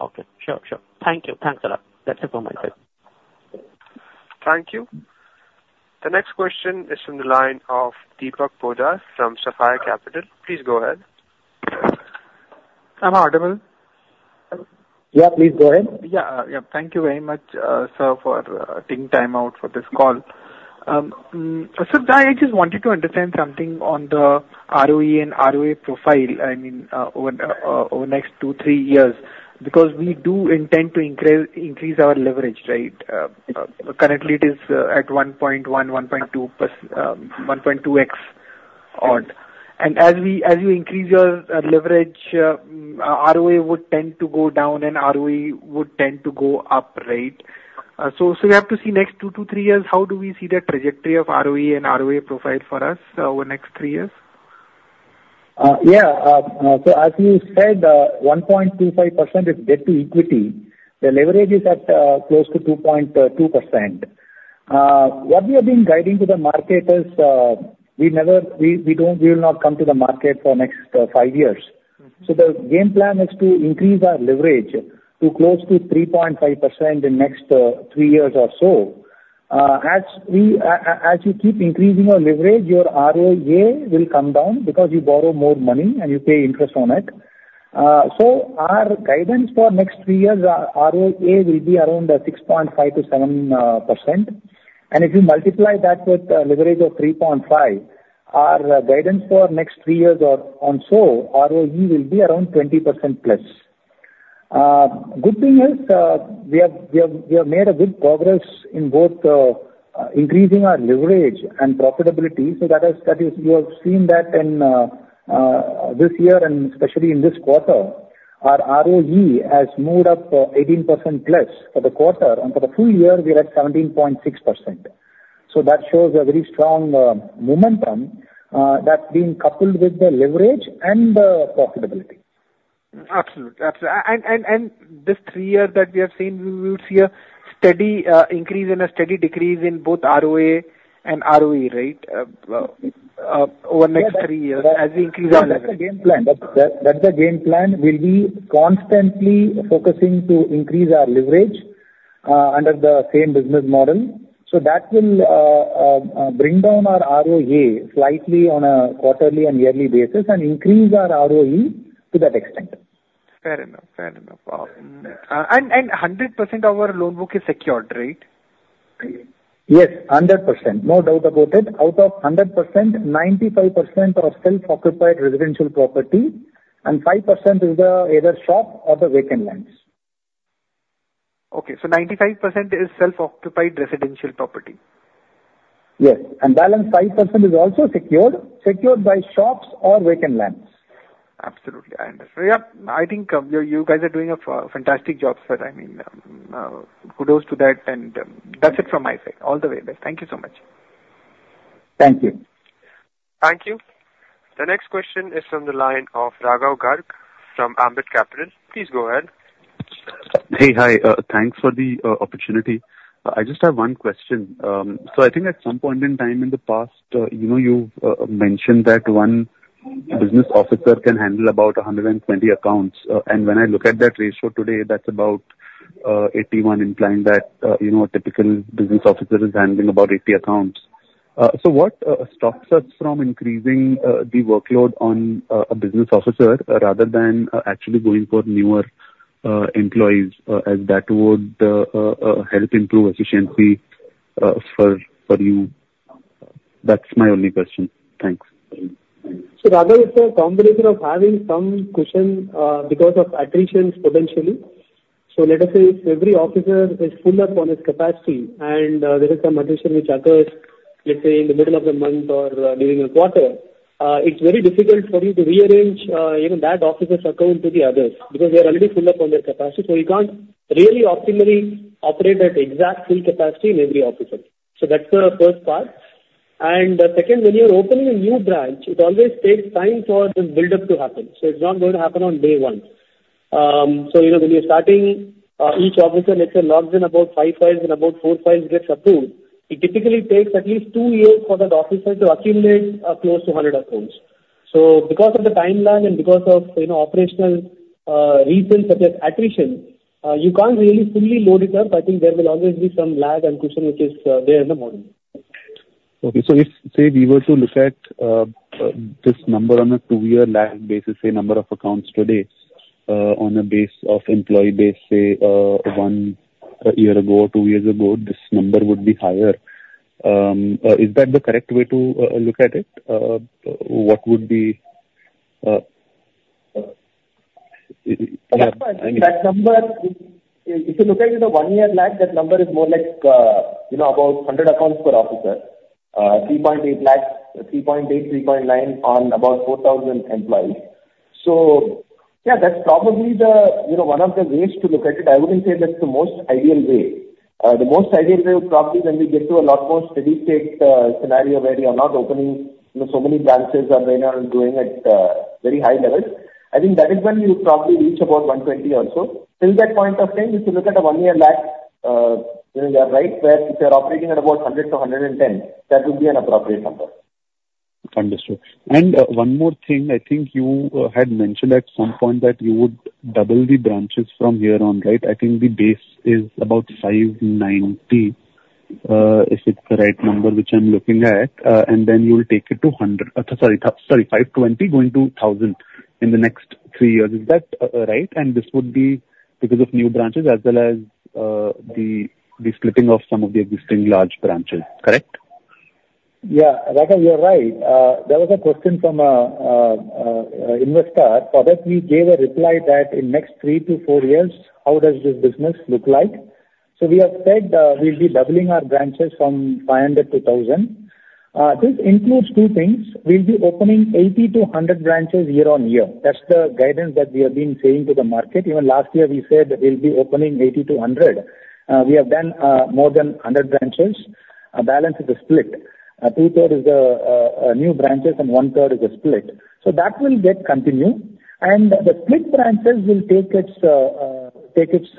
Okay. Sure. Sure. Thank you. Thanks a lot. That's it for my side. Thank you. The next question is from the line of Deepak Poddar from Sapphire Capital. Please go ahead. I'm audible? Yeah. Please go ahead. Yeah, yeah. Thank you very much, sir, for taking time out for this call. Sir, I just wanted to understand something on the ROE and ROA profile. I mean, over next two, three years because we do intend to increase our leverage, right? Currently, it is at 1.1-1.2x odd. And as you increase your leverage, ROA would tend to go down, and ROE would tend to go up, right? So, we have to see next two, three years, how do we see the trajectory of ROE and ROA profile for us over next three years? Yeah. So as you said, 1.25% is debt to equity. The leverage is at close to 2.2%. What we have been guiding to the market is, we will not come to the market for next five years. So the game plan is to increase our leverage to close to 3.5% in next three years or so. As you keep increasing your leverage, your ROA will come down because you borrow more money, and you pay interest on it. So our guidance for next three years, ROA will be around 6.5%-7%. And if you multiply that with a leverage of 3.5, our guidance for next three years or so, ROE will be around 20%+. Good thing is, we have made a good progress in both increasing our leverage and profitability. So that is you have seen that in this year and especially in this quarter. Our ROE has moved up 18% plus for the quarter. And for the full year, we're at 17.6%. So that shows a very strong momentum that's being coupled with the leverage and the profitability. Absolutely. Absolutely. And this 3-year that we have seen, we would see a steady increase and a steady decrease in both ROA and ROE, right? Over next 3 years as we increase our leverage. That's the game plan. That's, that's the game plan. We'll be constantly focusing to increase our leverage under the same business model. So that will bring down our ROA slightly on a quarterly and yearly basis and increase our ROE to that extent. Fair enough. Fair enough. And 100% of our loan book is secured, right? Yes. 100%. No doubt about it. Out of 100%, 95% are self-occupied residential property, and 5% is either shop or the vacant lands. Okay. So 95% is self-occupied residential property? Yes. And balance 5% is also secured, secured by shops or vacant lands. Absolutely. I understand. Yeah. I think, you guys are doing a fantastic job, sir. I mean, kudos to that. And that's it from my side. All the very best. Thank you so much. Thank you. Thank you. The next question is from the line of Raghav Garg from Ambit Capital. Please go ahead. Hey. Hi. Thanks for the opportunity. I just have one question. So I think at some point in time in the past, you know, you've mentioned that one business officer can handle about 120 accounts. And when I look at that ratio today, that's about 81, implying that, you know, a typical business officer is handling about 80 accounts. So what stops us from increasing the workload on a business officer rather than actually going for newer employees, as that would help improve efficiency for you? That's my only question. Thanks. So rather, it's a combination of having some cushion, because of attrition potentially. So let us say, if every officer is full up on his capacity, and there is some attrition which occurs, let's say, in the middle of the month or during the quarter, it's very difficult for you to rearrange, you know, that officer's account to the others because they are already full up on their capacity. So you can't really optimally operate at exact full capacity in every officer. So that's the first part. And the second, when you're opening a new branch, it always takes time for this buildup to happen. So it's not going to happen on day one. So, you know, when you're starting, each officer, let's say, logs in about 5 files and about 4 files gets approved. It typically takes at least 2 years for that officer to accumulate close to 100 accounts. So because of the time lag and because of, you know, operational reasons such as attrition, you can't really fully load it up. I think there will always be some lag and cushion which is there in the morning. Okay. So if, say, we were to look at this number on a two-year lag basis, say, number of accounts today, on a base of employee base, say, one year ago or two years ago, this number would be higher. Is that the correct way to look at it? What would be, That's fine. That number, if you look at it, the one-year lag, that number is more like, you know, about 100 accounts per officer, 3.8 lakh, 3.8, 3.9 on about 4,000 employees. So yeah, that's probably the, you know, one of the ways to look at it. I wouldn't say that's the most ideal way. The most ideal way would probably when we get to a lot more steady state, scenario where you are not opening, you know, so many branches or when you are doing it, very high levels. I think that is when you would probably reach about 120 or so. Till that point of time, if you look at a one-year lag, you know, you are right where if you are operating at about 100-110, that would be an appropriate number. Understood. One more thing. I think you had mentioned at some point that you would double the branches from here on, right? I think the base is about 590, if it's the right number which I'm looking at. And then you'll take it to 100—sorry, sorry—520 going to 1,000 in the next three years. Is that right? And this would be because of new branches as well as the splitting of some of the existing large branches, correct? Yeah. Raghav, you're right. There was a question from an investor. For that, we gave a reply that in next 3-4 years, how does this business look like? So we have said, we'll be doubling our branches from 500-1,000. This includes two things. We'll be opening 80-100 branches year on year. That's the guidance that we have been saying to the market. Even last year, we said we'll be opening 80-100. We have done more than 100 branches. Balance is a split. Two-thirds is the new branches, and one-third is a split. So that will get continued. The split branches will take its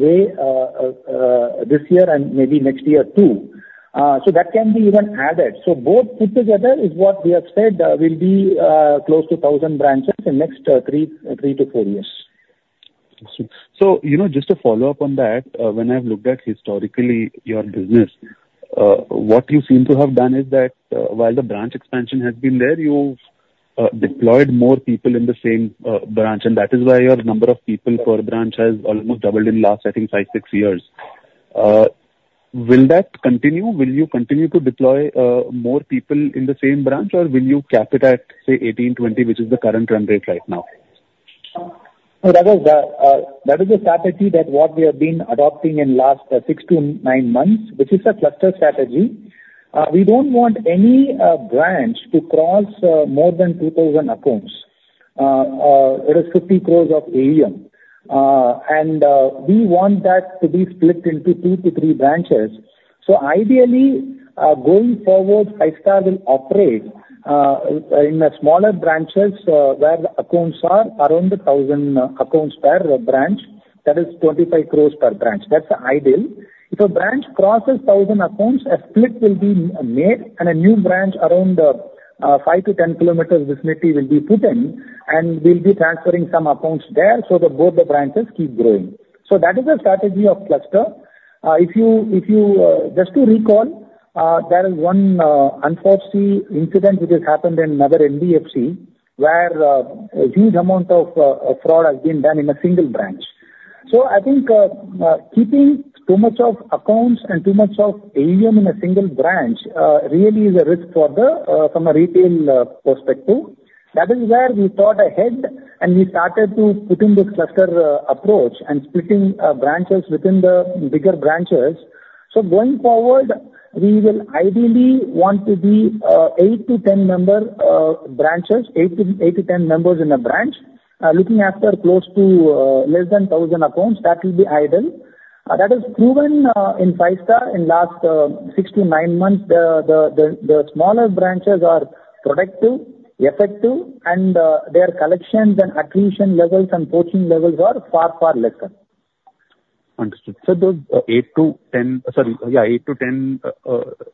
way this year and maybe next year too. So that can be even added. So both put together is what we have said will be close to 1,000 branches in next 3-4 years. So, you know, just to follow up on that, when I've looked at historically your business, what you seem to have done is that, while the branch expansion has been there, you've deployed more people in the same branch. And that is why your number of people per branch has almost doubled in the last, I think, 5, 6 years. Will that continue? Will you continue to deploy more people in the same branch, or will you cap it at, say, 18, 20, which is the current run rate right now? Raghav, that, that is a strategy that what we have been adopting in the last 6-9 months, which is a cluster strategy. We don't want any branch to cross more than 2,000 accounts. It is 50 crores of AUM. And we want that to be split into 2-3 branches. So ideally, going forward, Five-Star will operate in the smaller branches, where the accounts are around 1,000 accounts per branch. That is 25 crores per branch. That's ideal. If a branch crosses 1,000 accounts, a split will be made, and a new branch around 5-10 kilometers vicinity will be put in. And we'll be transferring some accounts there so that both the branches keep growing. So that is a strategy of cluster. If you just to recall, there is one unfortunate incident which has happened in another NBFC where a huge amount of fraud has been done in a single branch. So I think keeping too much of accounts and too much of AUM in a single branch really is a risk from a retail perspective. That is where we thought ahead, and we started to put in this cluster approach and splitting branches within the bigger branches. So going forward, we will ideally want to be 8-10 member branches, 8-10 members in a branch, looking after close to less than 1,000 accounts. That will be ideal. That is proven in Five-Star in the last 6-9 months. The smaller branches are productive, effective, and their collections and attrition levels and poaching levels are far, far lesser. Understood. So those, 8-10 sorry. Yeah. 8-10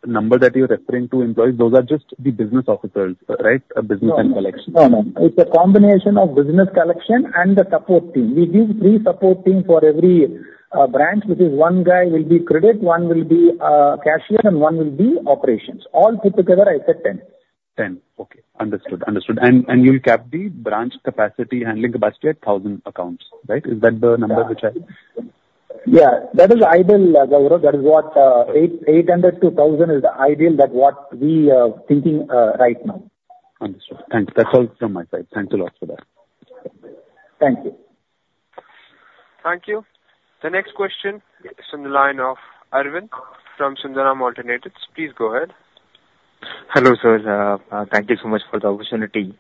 number that you're referring to employees, those are just the business officers, right? Business and collections. No, no. It's a combination of business collection and the support team. We give three support teams for every branch, which is one guy will be credit, one will be cashier, and one will be operations. All put together, I said 10. Okay. Understood. Understood. And you'll cap the branch capacity handling capacity at 1,000 accounts, right? Is that the number which I? Yeah. That is ideal, Raghav. That is what, 800-1,000 is the ideal that what we are thinking, right now. Understood. Thanks. That's all from my side. Thanks a lot for that. Thank you. Thank you. The next question is from the line of Aravind from Sundaram Alternates. Please go ahead. Hello, sir. Thank you so much for the opportunity.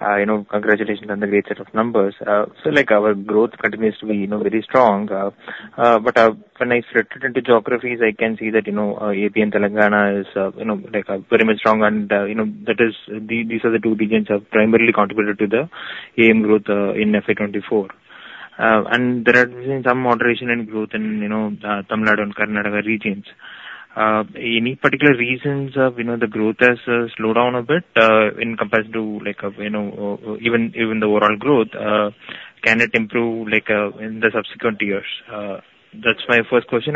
You know, congratulations on the great set of numbers. So, like, our growth continues to be, you know, very strong. But, when I flip it into geographies, I can see that, you know, AP and Telangana is, you know, like, very much strong. And, you know, that is—these are the two regions that have primarily contributed to the AUM growth, in FY 2024. And there has been some moderation in growth in, you know, Tamil Nadu and Karnataka regions. Any particular reasons of, you know, the growth has slowed down a bit, in comparison to, like, you know, even, even the overall growth? Can it improve, like, in the subsequent years? That's my first question.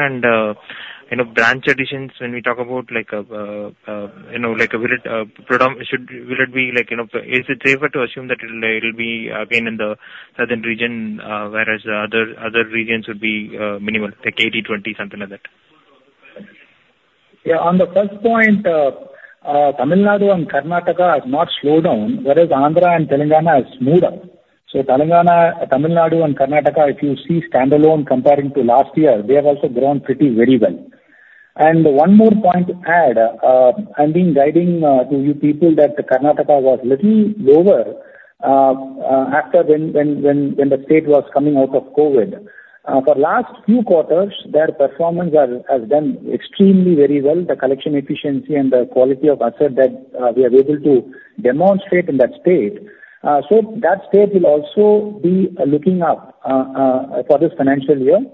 You know, branch additions, when we talk about, like, you know, like, will it predominantly be, like, you know, is it safer to assume that it'll be again in the southern region, whereas the other regions would be minimal, like 80-20, something like that? Yeah. On the first point, Tamil Nadu and Karnataka have not slowed down, whereas Andhra and Telangana have smoothed up. So Telangana, Tamil Nadu, and Karnataka, if you see standalone comparing to last year, they have also grown pretty very well. And one more point to add. I've been guiding to you people that Karnataka was a little lower, after when the state was coming out of COVID. For the last few quarters, their performance has done extremely very well. The collection efficiency and the quality of asset that we are able to demonstrate in that state. So that state will also be looking up for this financial year.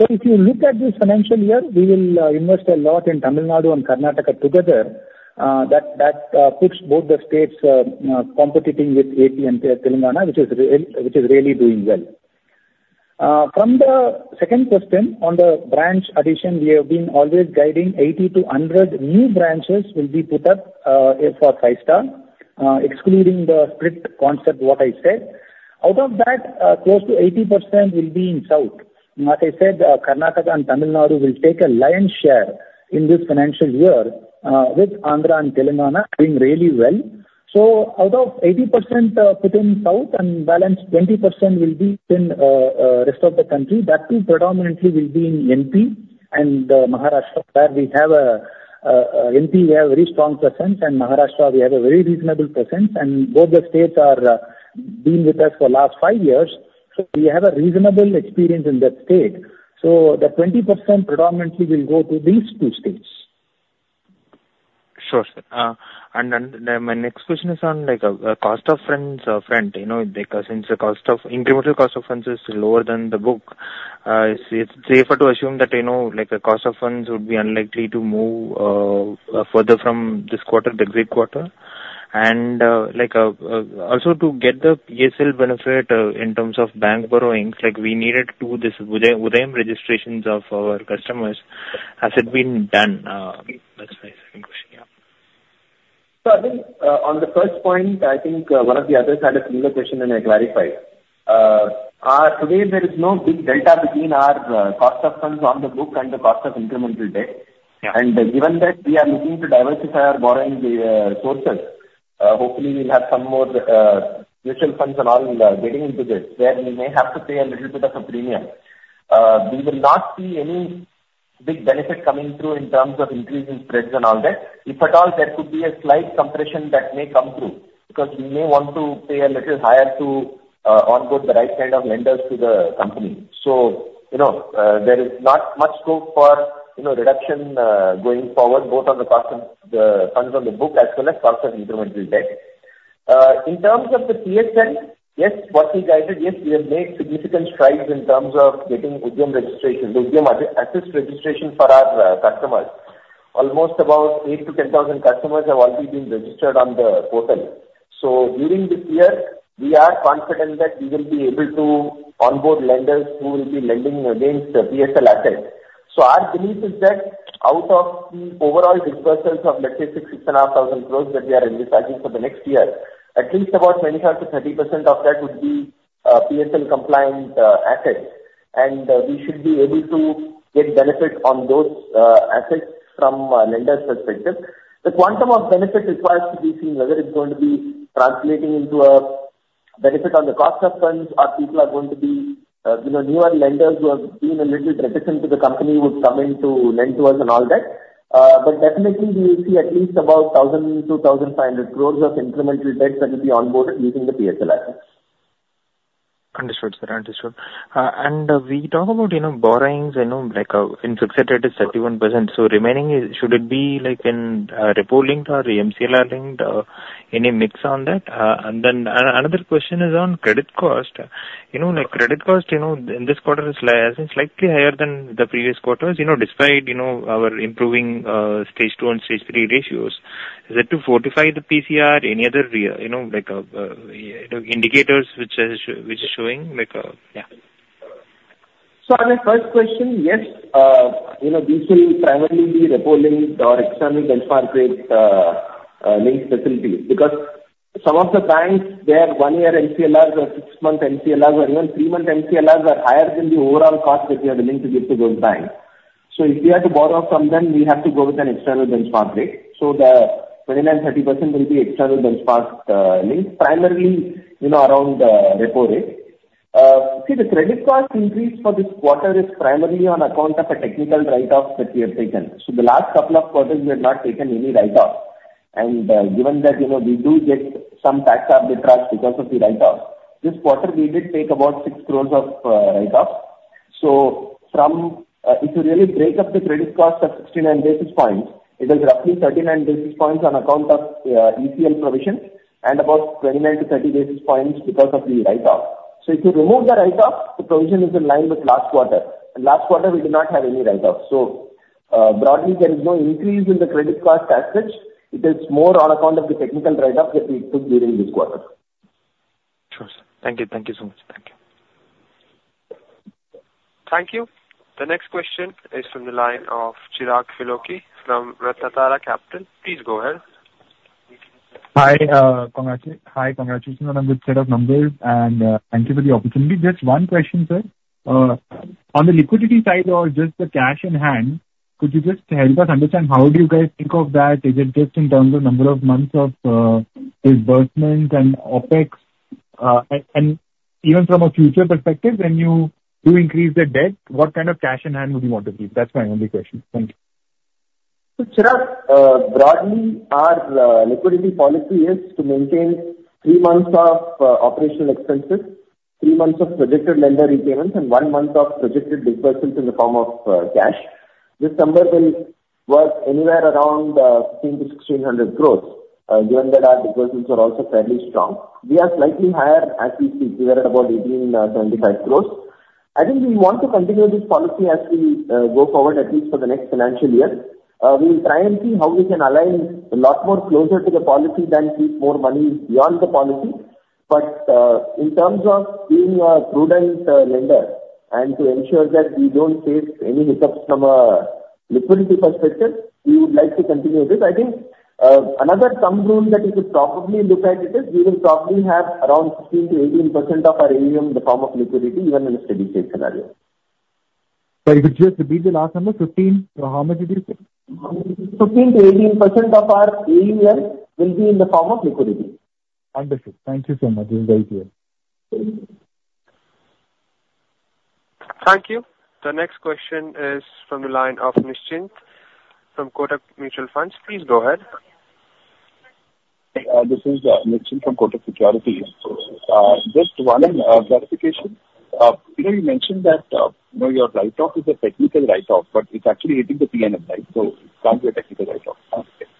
So if you look at this financial year, we will invest a lot in Tamil Nadu and Karnataka together. that puts both the states competing with AP and Telangana, which is really doing well. From the second question, on the branch addition, we have been always guiding 80-100 new branches will be put up for Five-Star, excluding the split concept, what I said. Out of that, close to 80% will be in south. As I said, Karnataka and Tamil Nadu will take a lion's share in this financial year, with Andhra and Telangana doing really well. So out of 80% put in south, and balance 20% will be in rest of the country. That too predominantly will be in MP and Maharashtra where we have a very strong presence in MP, and a very reasonable presence in Maharashtra. And both the states have been with us for the last five years. So we have a reasonable experience in that state. The 20% predominantly will go to these two states. Sure, sir. And, and, my next question is on, like, cost of funds front. You know, like, since the cost of incremental cost of funds is lower than the book, it's, it's safer to assume that, you know, like, cost of funds would be unlikely to move further from this quarter, the exit quarter. And, like, also to get the PSL benefit, in terms of bank borrowings, like, we needed to do this Udyam registrations of our customers. Has it been done? That's my second question. Yeah. So I think, on the first point, I think one of the others had a similar question, and I clarified. Today, there is no big delta between our cost of funds on the book and the cost of incremental debt. And given that we are looking to diversify our borrowing sources, hopefully we'll have some more mutual funds and all getting into this where we may have to pay a little bit of a premium. We will not see any big benefit coming through in terms of increase in spreads and all that. If at all, there could be a slight compression that may come through because we may want to pay a little higher to onboard the right kind of lenders to the company. So, you know, there is not much scope for, you know, reduction, going forward, both on the cost of the funds on the book as well as cost of incremental debt. In terms of the PSL, yes, what we guided, yes, we have made significant strides in terms of getting Udyam registration, the Udyam Assist registration for our customers. Almost 8,000-10,000 customers have already been registered on the portal. So during this year, we are confident that we will be able to onboard lenders who will be lending against the PSL assets. So our belief is that out of the overall disbursals of, let's say, 6,000-6,500 crore that we are envisaging for the next year, at least 25%-30% of that would be PSL-compliant assets. We should be able to get benefit on those assets from a lender's perspective. The quantum of benefit requires to be seen, whether it's going to be translating into a benefit on the cost of funds or people are going to be, you know, newer lenders who have been a little reticent to the company would come in to lend to us and all that. But definitely, we will see at least about 1,000 crore-1,500 crore of incremental debt that will be onboarded using the PSL assets. Understood, sir. Understood. We talk about, you know, borrowings, you know, like, in fixed rate, it's 31%. So remaining is should it be, like, in, repo-linked or MCLR-linked, any mix on that? And then another question is on credit cost. You know, like, credit cost, you know, in this quarter, it's likely higher than the previous quarters, you know, despite, you know, our improving stage two and stage three ratios. Is it to fortify the PCR? Any other or you know, like, indicators which are which is showing, like, yeah. So on the first question, yes. You know, these will primarily be repo-linked or external benchmark rate-linked facilities because some of the banks, their one-year MCLRs or six-month MCLRs or even three-month MCLRs are higher than the overall cost that we are willing to give to those banks. So if we have to borrow from them, we have to go with an external benchmark rate. So the 29%-30% will be external benchmark-linked, primarily, you know, around the repo rate. See, the credit cost increase for this quarter is primarily on account of a technical write-off that we have taken. So the last couple of quarters, we have not taken any write-offs. And, given that, you know, we do get some taxable charge because of the write-offs, this quarter, we did take about 6 crore of write-offs. So, if you really break up the credit cost of 69 basis points, it is roughly 39 basis points on account of ECL provision and about 29-30 basis points because of the write-off. So if you remove the write-off, the provision is in line with last quarter. And last quarter, we did not have any write-offs. So, broadly, there is no increase in the credit cost as such. It is more on account of the technical write-off that we took during this quarter. Sure, sir. Thank you. Thank you so much. Thank you. Thank you. The next question is from the line of Chirag Fialoke from RatnaTraya Capital. Please go ahead. Hi, congratulations on a good set of numbers. Thank you for the opportunity. Just one question, sir. On the liquidity side or just the cash in hand, could you just help us understand how do you guys think of that? Is it just in terms of number of months of disbursement and OpEx? And even from a future perspective, when you do increase the debt, what kind of cash in hand would you want to keep? That's my only question. Thank you. So Chirag, broadly, our liquidity policy is to maintain three months of operational expenses, three months of projected lender repayments, and one month of projected dispersals in the form of cash. This number will work anywhere around 15-1,600 crores, given that our dispersals are also fairly strong. We are slightly higher as we speak. We are at about 1,875 crores. I think we want to continue this policy as we go forward, at least for the next financial year. We will try and see how we can align a lot more closer to the policy than keep more money beyond the policy. But in terms of being prudent lender and to ensure that we don't face any hiccups from a liquidity perspective, we would like to continue this. I think, another thumb rule that we could probably look at is we will probably have around 15%-18% of our AUM in the form of liquidity, even in a steady state scenario. Sorry. Could you just repeat the last number? 15? Or how much did you say? 15%-18% of our AUM will be in the form of liquidity. Understood. Thank you so much. This is the ideal. Thank you. The next question is from the line of Nischint from Kotak Mutual Fund. Please go ahead. Hey, this is Nischint from Kotak Mutual Fund. Just one clarification. You know, you mentioned that, you know, your write-off is a technical write-off, but it's actually hitting the P&L, right? So it can't be a technical write-off. Okay.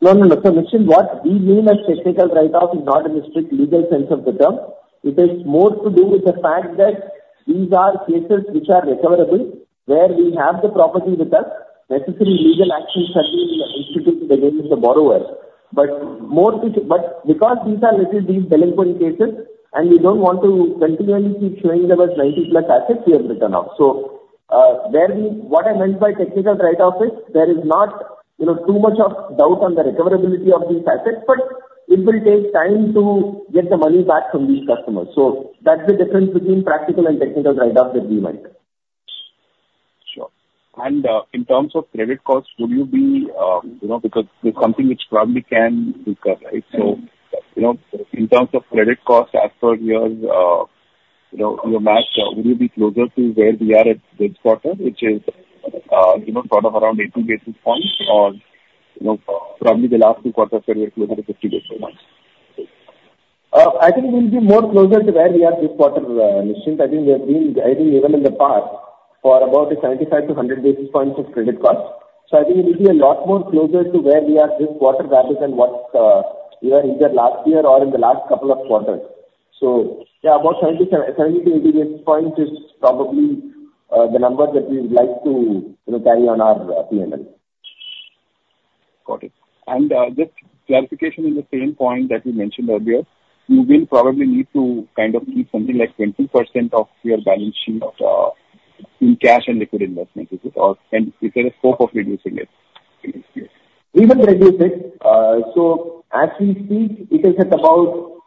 No, no, no. So Nischint, what we mean as technical write-off is not in the strict legal sense of the term. It is more to do with the fact that these are cases which are recoverable where we have the property with us. Necessary legal actions have been instituted against the borrowers. But more to but because these are little these delinquent cases, and we don't want to continually keep showing them as 90-plus assets, we have written off. So, what I meant by technical write-off is there is not, you know, too much of doubt on the recoverability of these assets, but it will take time to get the money back from these customers. So that's the difference between practical and technical write-off that we make. Sure. In terms of credit cost, would you be, you know, because there's something which probably can recover, right? So, you know, in terms of credit cost, as per your, you know, your match, would you be closer to where we are at this quarter, which is, you know, sort of around 80 basis points, or, you know, probably the last Q2 where we are closer to 50 basis points? I think we'll be more closer to where we are this quarter, Nischint. I think we have been, I think, even in the past for about a 75-100 basis points of credit cost. So I think it will be a lot more closer to where we are this quarter rather than what we were either last year or in the last couple of quarters. So, yeah, about 70-80 basis points is probably the number that we would like to, you know, carry on our P&L. Got it. And just clarification on the same point that you mentioned earlier, you will probably need to kind of keep something like 20% of your balance sheet in cash and liquid investment, is it? Or and is there a scope of reducing it? We will reduce it. So as we speak, it is at about,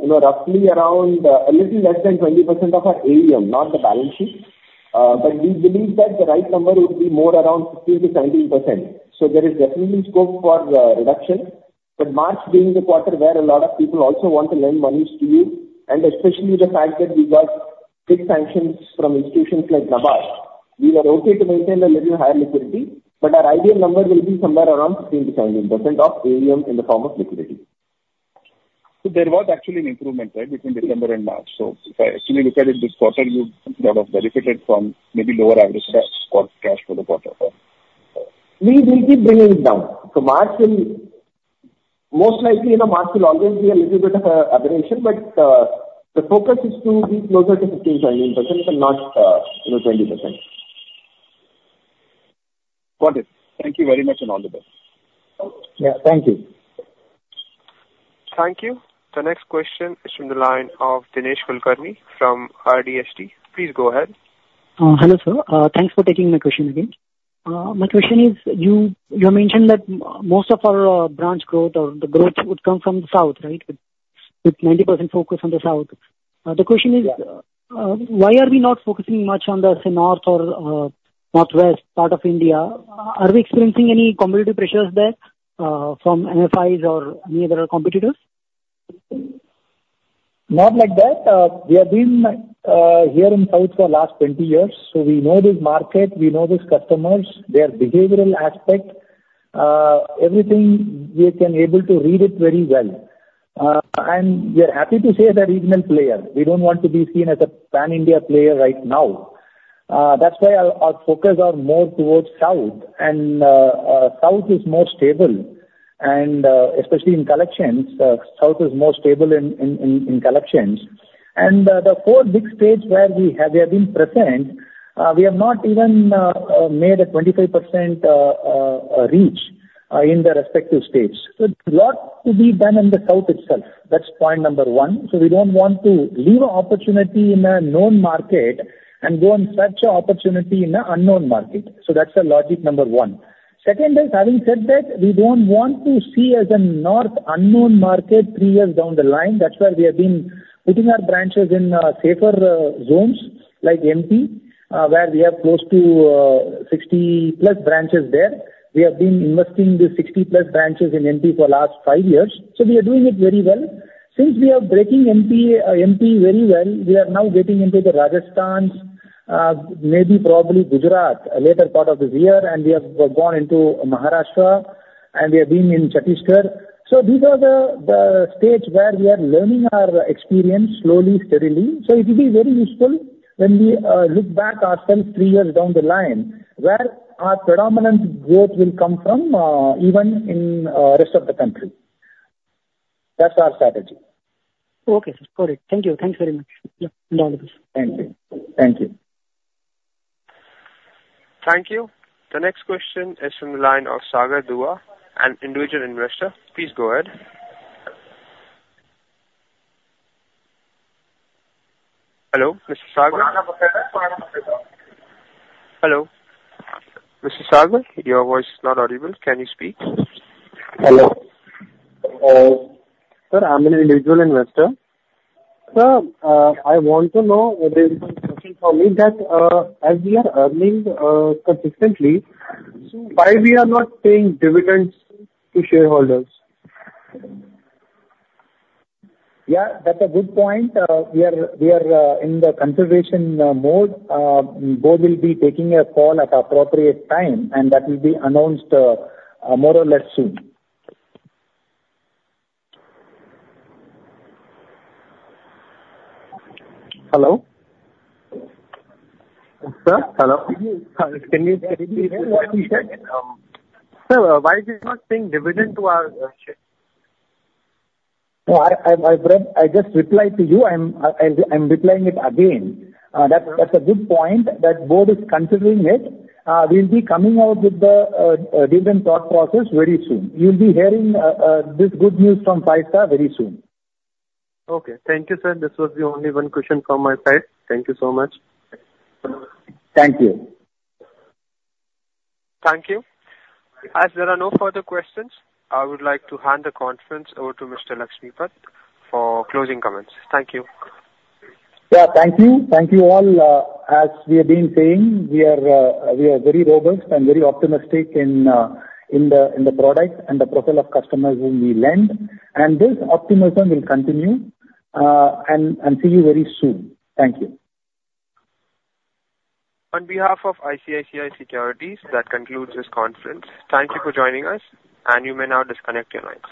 you know, roughly around, a little less than 20% of our AUM, not the balance sheet. But we believe that the right number would be more around 15%-17%. So there is definitely scope for reduction. But March being the quarter where a lot of people also want to lend monies to you, and especially the fact that we got big sanctions from institutions like NABARD, we are okay to maintain a little higher liquidity. But our ideal number will be somewhere around 15%-17% of AUM in the form of liquidity. There was actually an improvement, right, between December and March. So if I actually look at it this quarter, you sort of benefited from maybe lower average cash for the quarter, or? We will keep bringing it down. So March will most likely, you know, March will always be a little bit of an aberration, but the focus is to be closer to 15%-17% and not, you know, 20%. Got it. Thank you very much and all the best. Yeah. Thank you. Thank you. The next question is from the line of Dinesh Kulkarni from RDSP. Please go ahead. Hello, sir. Thanks for taking my question again. My question is, you have mentioned that most of our branch growth or the growth would come from the south, right, with 90% focus on the south. The question is, why are we not focusing much on the North or Northwest part of India? Are we experiencing any competitive pressures there, from MFIs or any other competitors? Not like that. We have been here in the south for the last 20 years. So we know this market. We know these customers. Their behavioral aspect, everything, we can able to read it very well. And we are happy to say. Regional player. We don't want to be seen as a pan-India player right now. That's why our focus is more towards south. And south is more stable. And especially in collections, south is more stable in collections. And the four big states where we have been present, we have not even made a 25% reach in the respective states. So there's a lot to be done in the south itself. That's point number one. So we don't want to leave an opportunity in a known market and go and search an opportunity in an unknown market. So that's the logic number one. Second is, having said that, we don't want to see as a North unknown market three years down the line. That's where we have been putting our branches in safer zones, like MP, where we have close to 60+ branches there. We have been investing the 60+ branches in MP for the last five years. So we are doing it very well. Since we are breaking MP, MP very well, we are now getting into the Rajasthan, maybe probably Gujarat, a later part of this year. And we have gone into Maharashtra. And we have been in Chhattisgarh. So these are the states where we are learning our experience slowly, steadily. So it will be very useful when we look back ourselves three years down the line where our predominant growth will come from, even in the rest of the country. That's our strategy. Okay, sir. Got it. Thank you. Thanks very much and all the best. Thank you. Thank you. Thank you. The next question is from the line of Sagar Dua, an individual investor. Please go ahead. Hello, Mr. Sagar? Hello, Mr. Sagar? Your voice is not audible. Can you speak? Hello, sir. I'm an individual investor. Sir, I want to know there is an impression for me that, as we are earning consistently, why we are not paying dividends to shareholders? Yeah. That's a good point. We are, we are in the consideration mode. Both will be taking a call at an appropriate time. And that will be announced, more or less soon. Hello? Sir, hello? Can you hear what we said? Sir, why is it not paying dividend to our shareholders? Oh, I've, I've, I've read. I just replied to you. I'm, I'll—I'm replying it again. That's a good point that both are considering it. We'll be coming out with the dividend thought process very soon. You'll be hearing this good news from Five-Star very soon. Okay. Thank you, sir. This was the only one question from my side. Thank you so much. Thank you. Thank you. As there are no further questions, I would like to hand the conference over to Mr. Lakshmipathy for closing comments. Thank you. Yeah. Thank you. Thank you all. As we have been saying, we are, we are very robust and very optimistic in, in the in the product and the profile of customers whom we lend. And this optimism will continue, and, and see you very soon. Thank you. On behalf of ICICI Securities, that concludes this conference. Thank you for joining us. You may now disconnect your lines.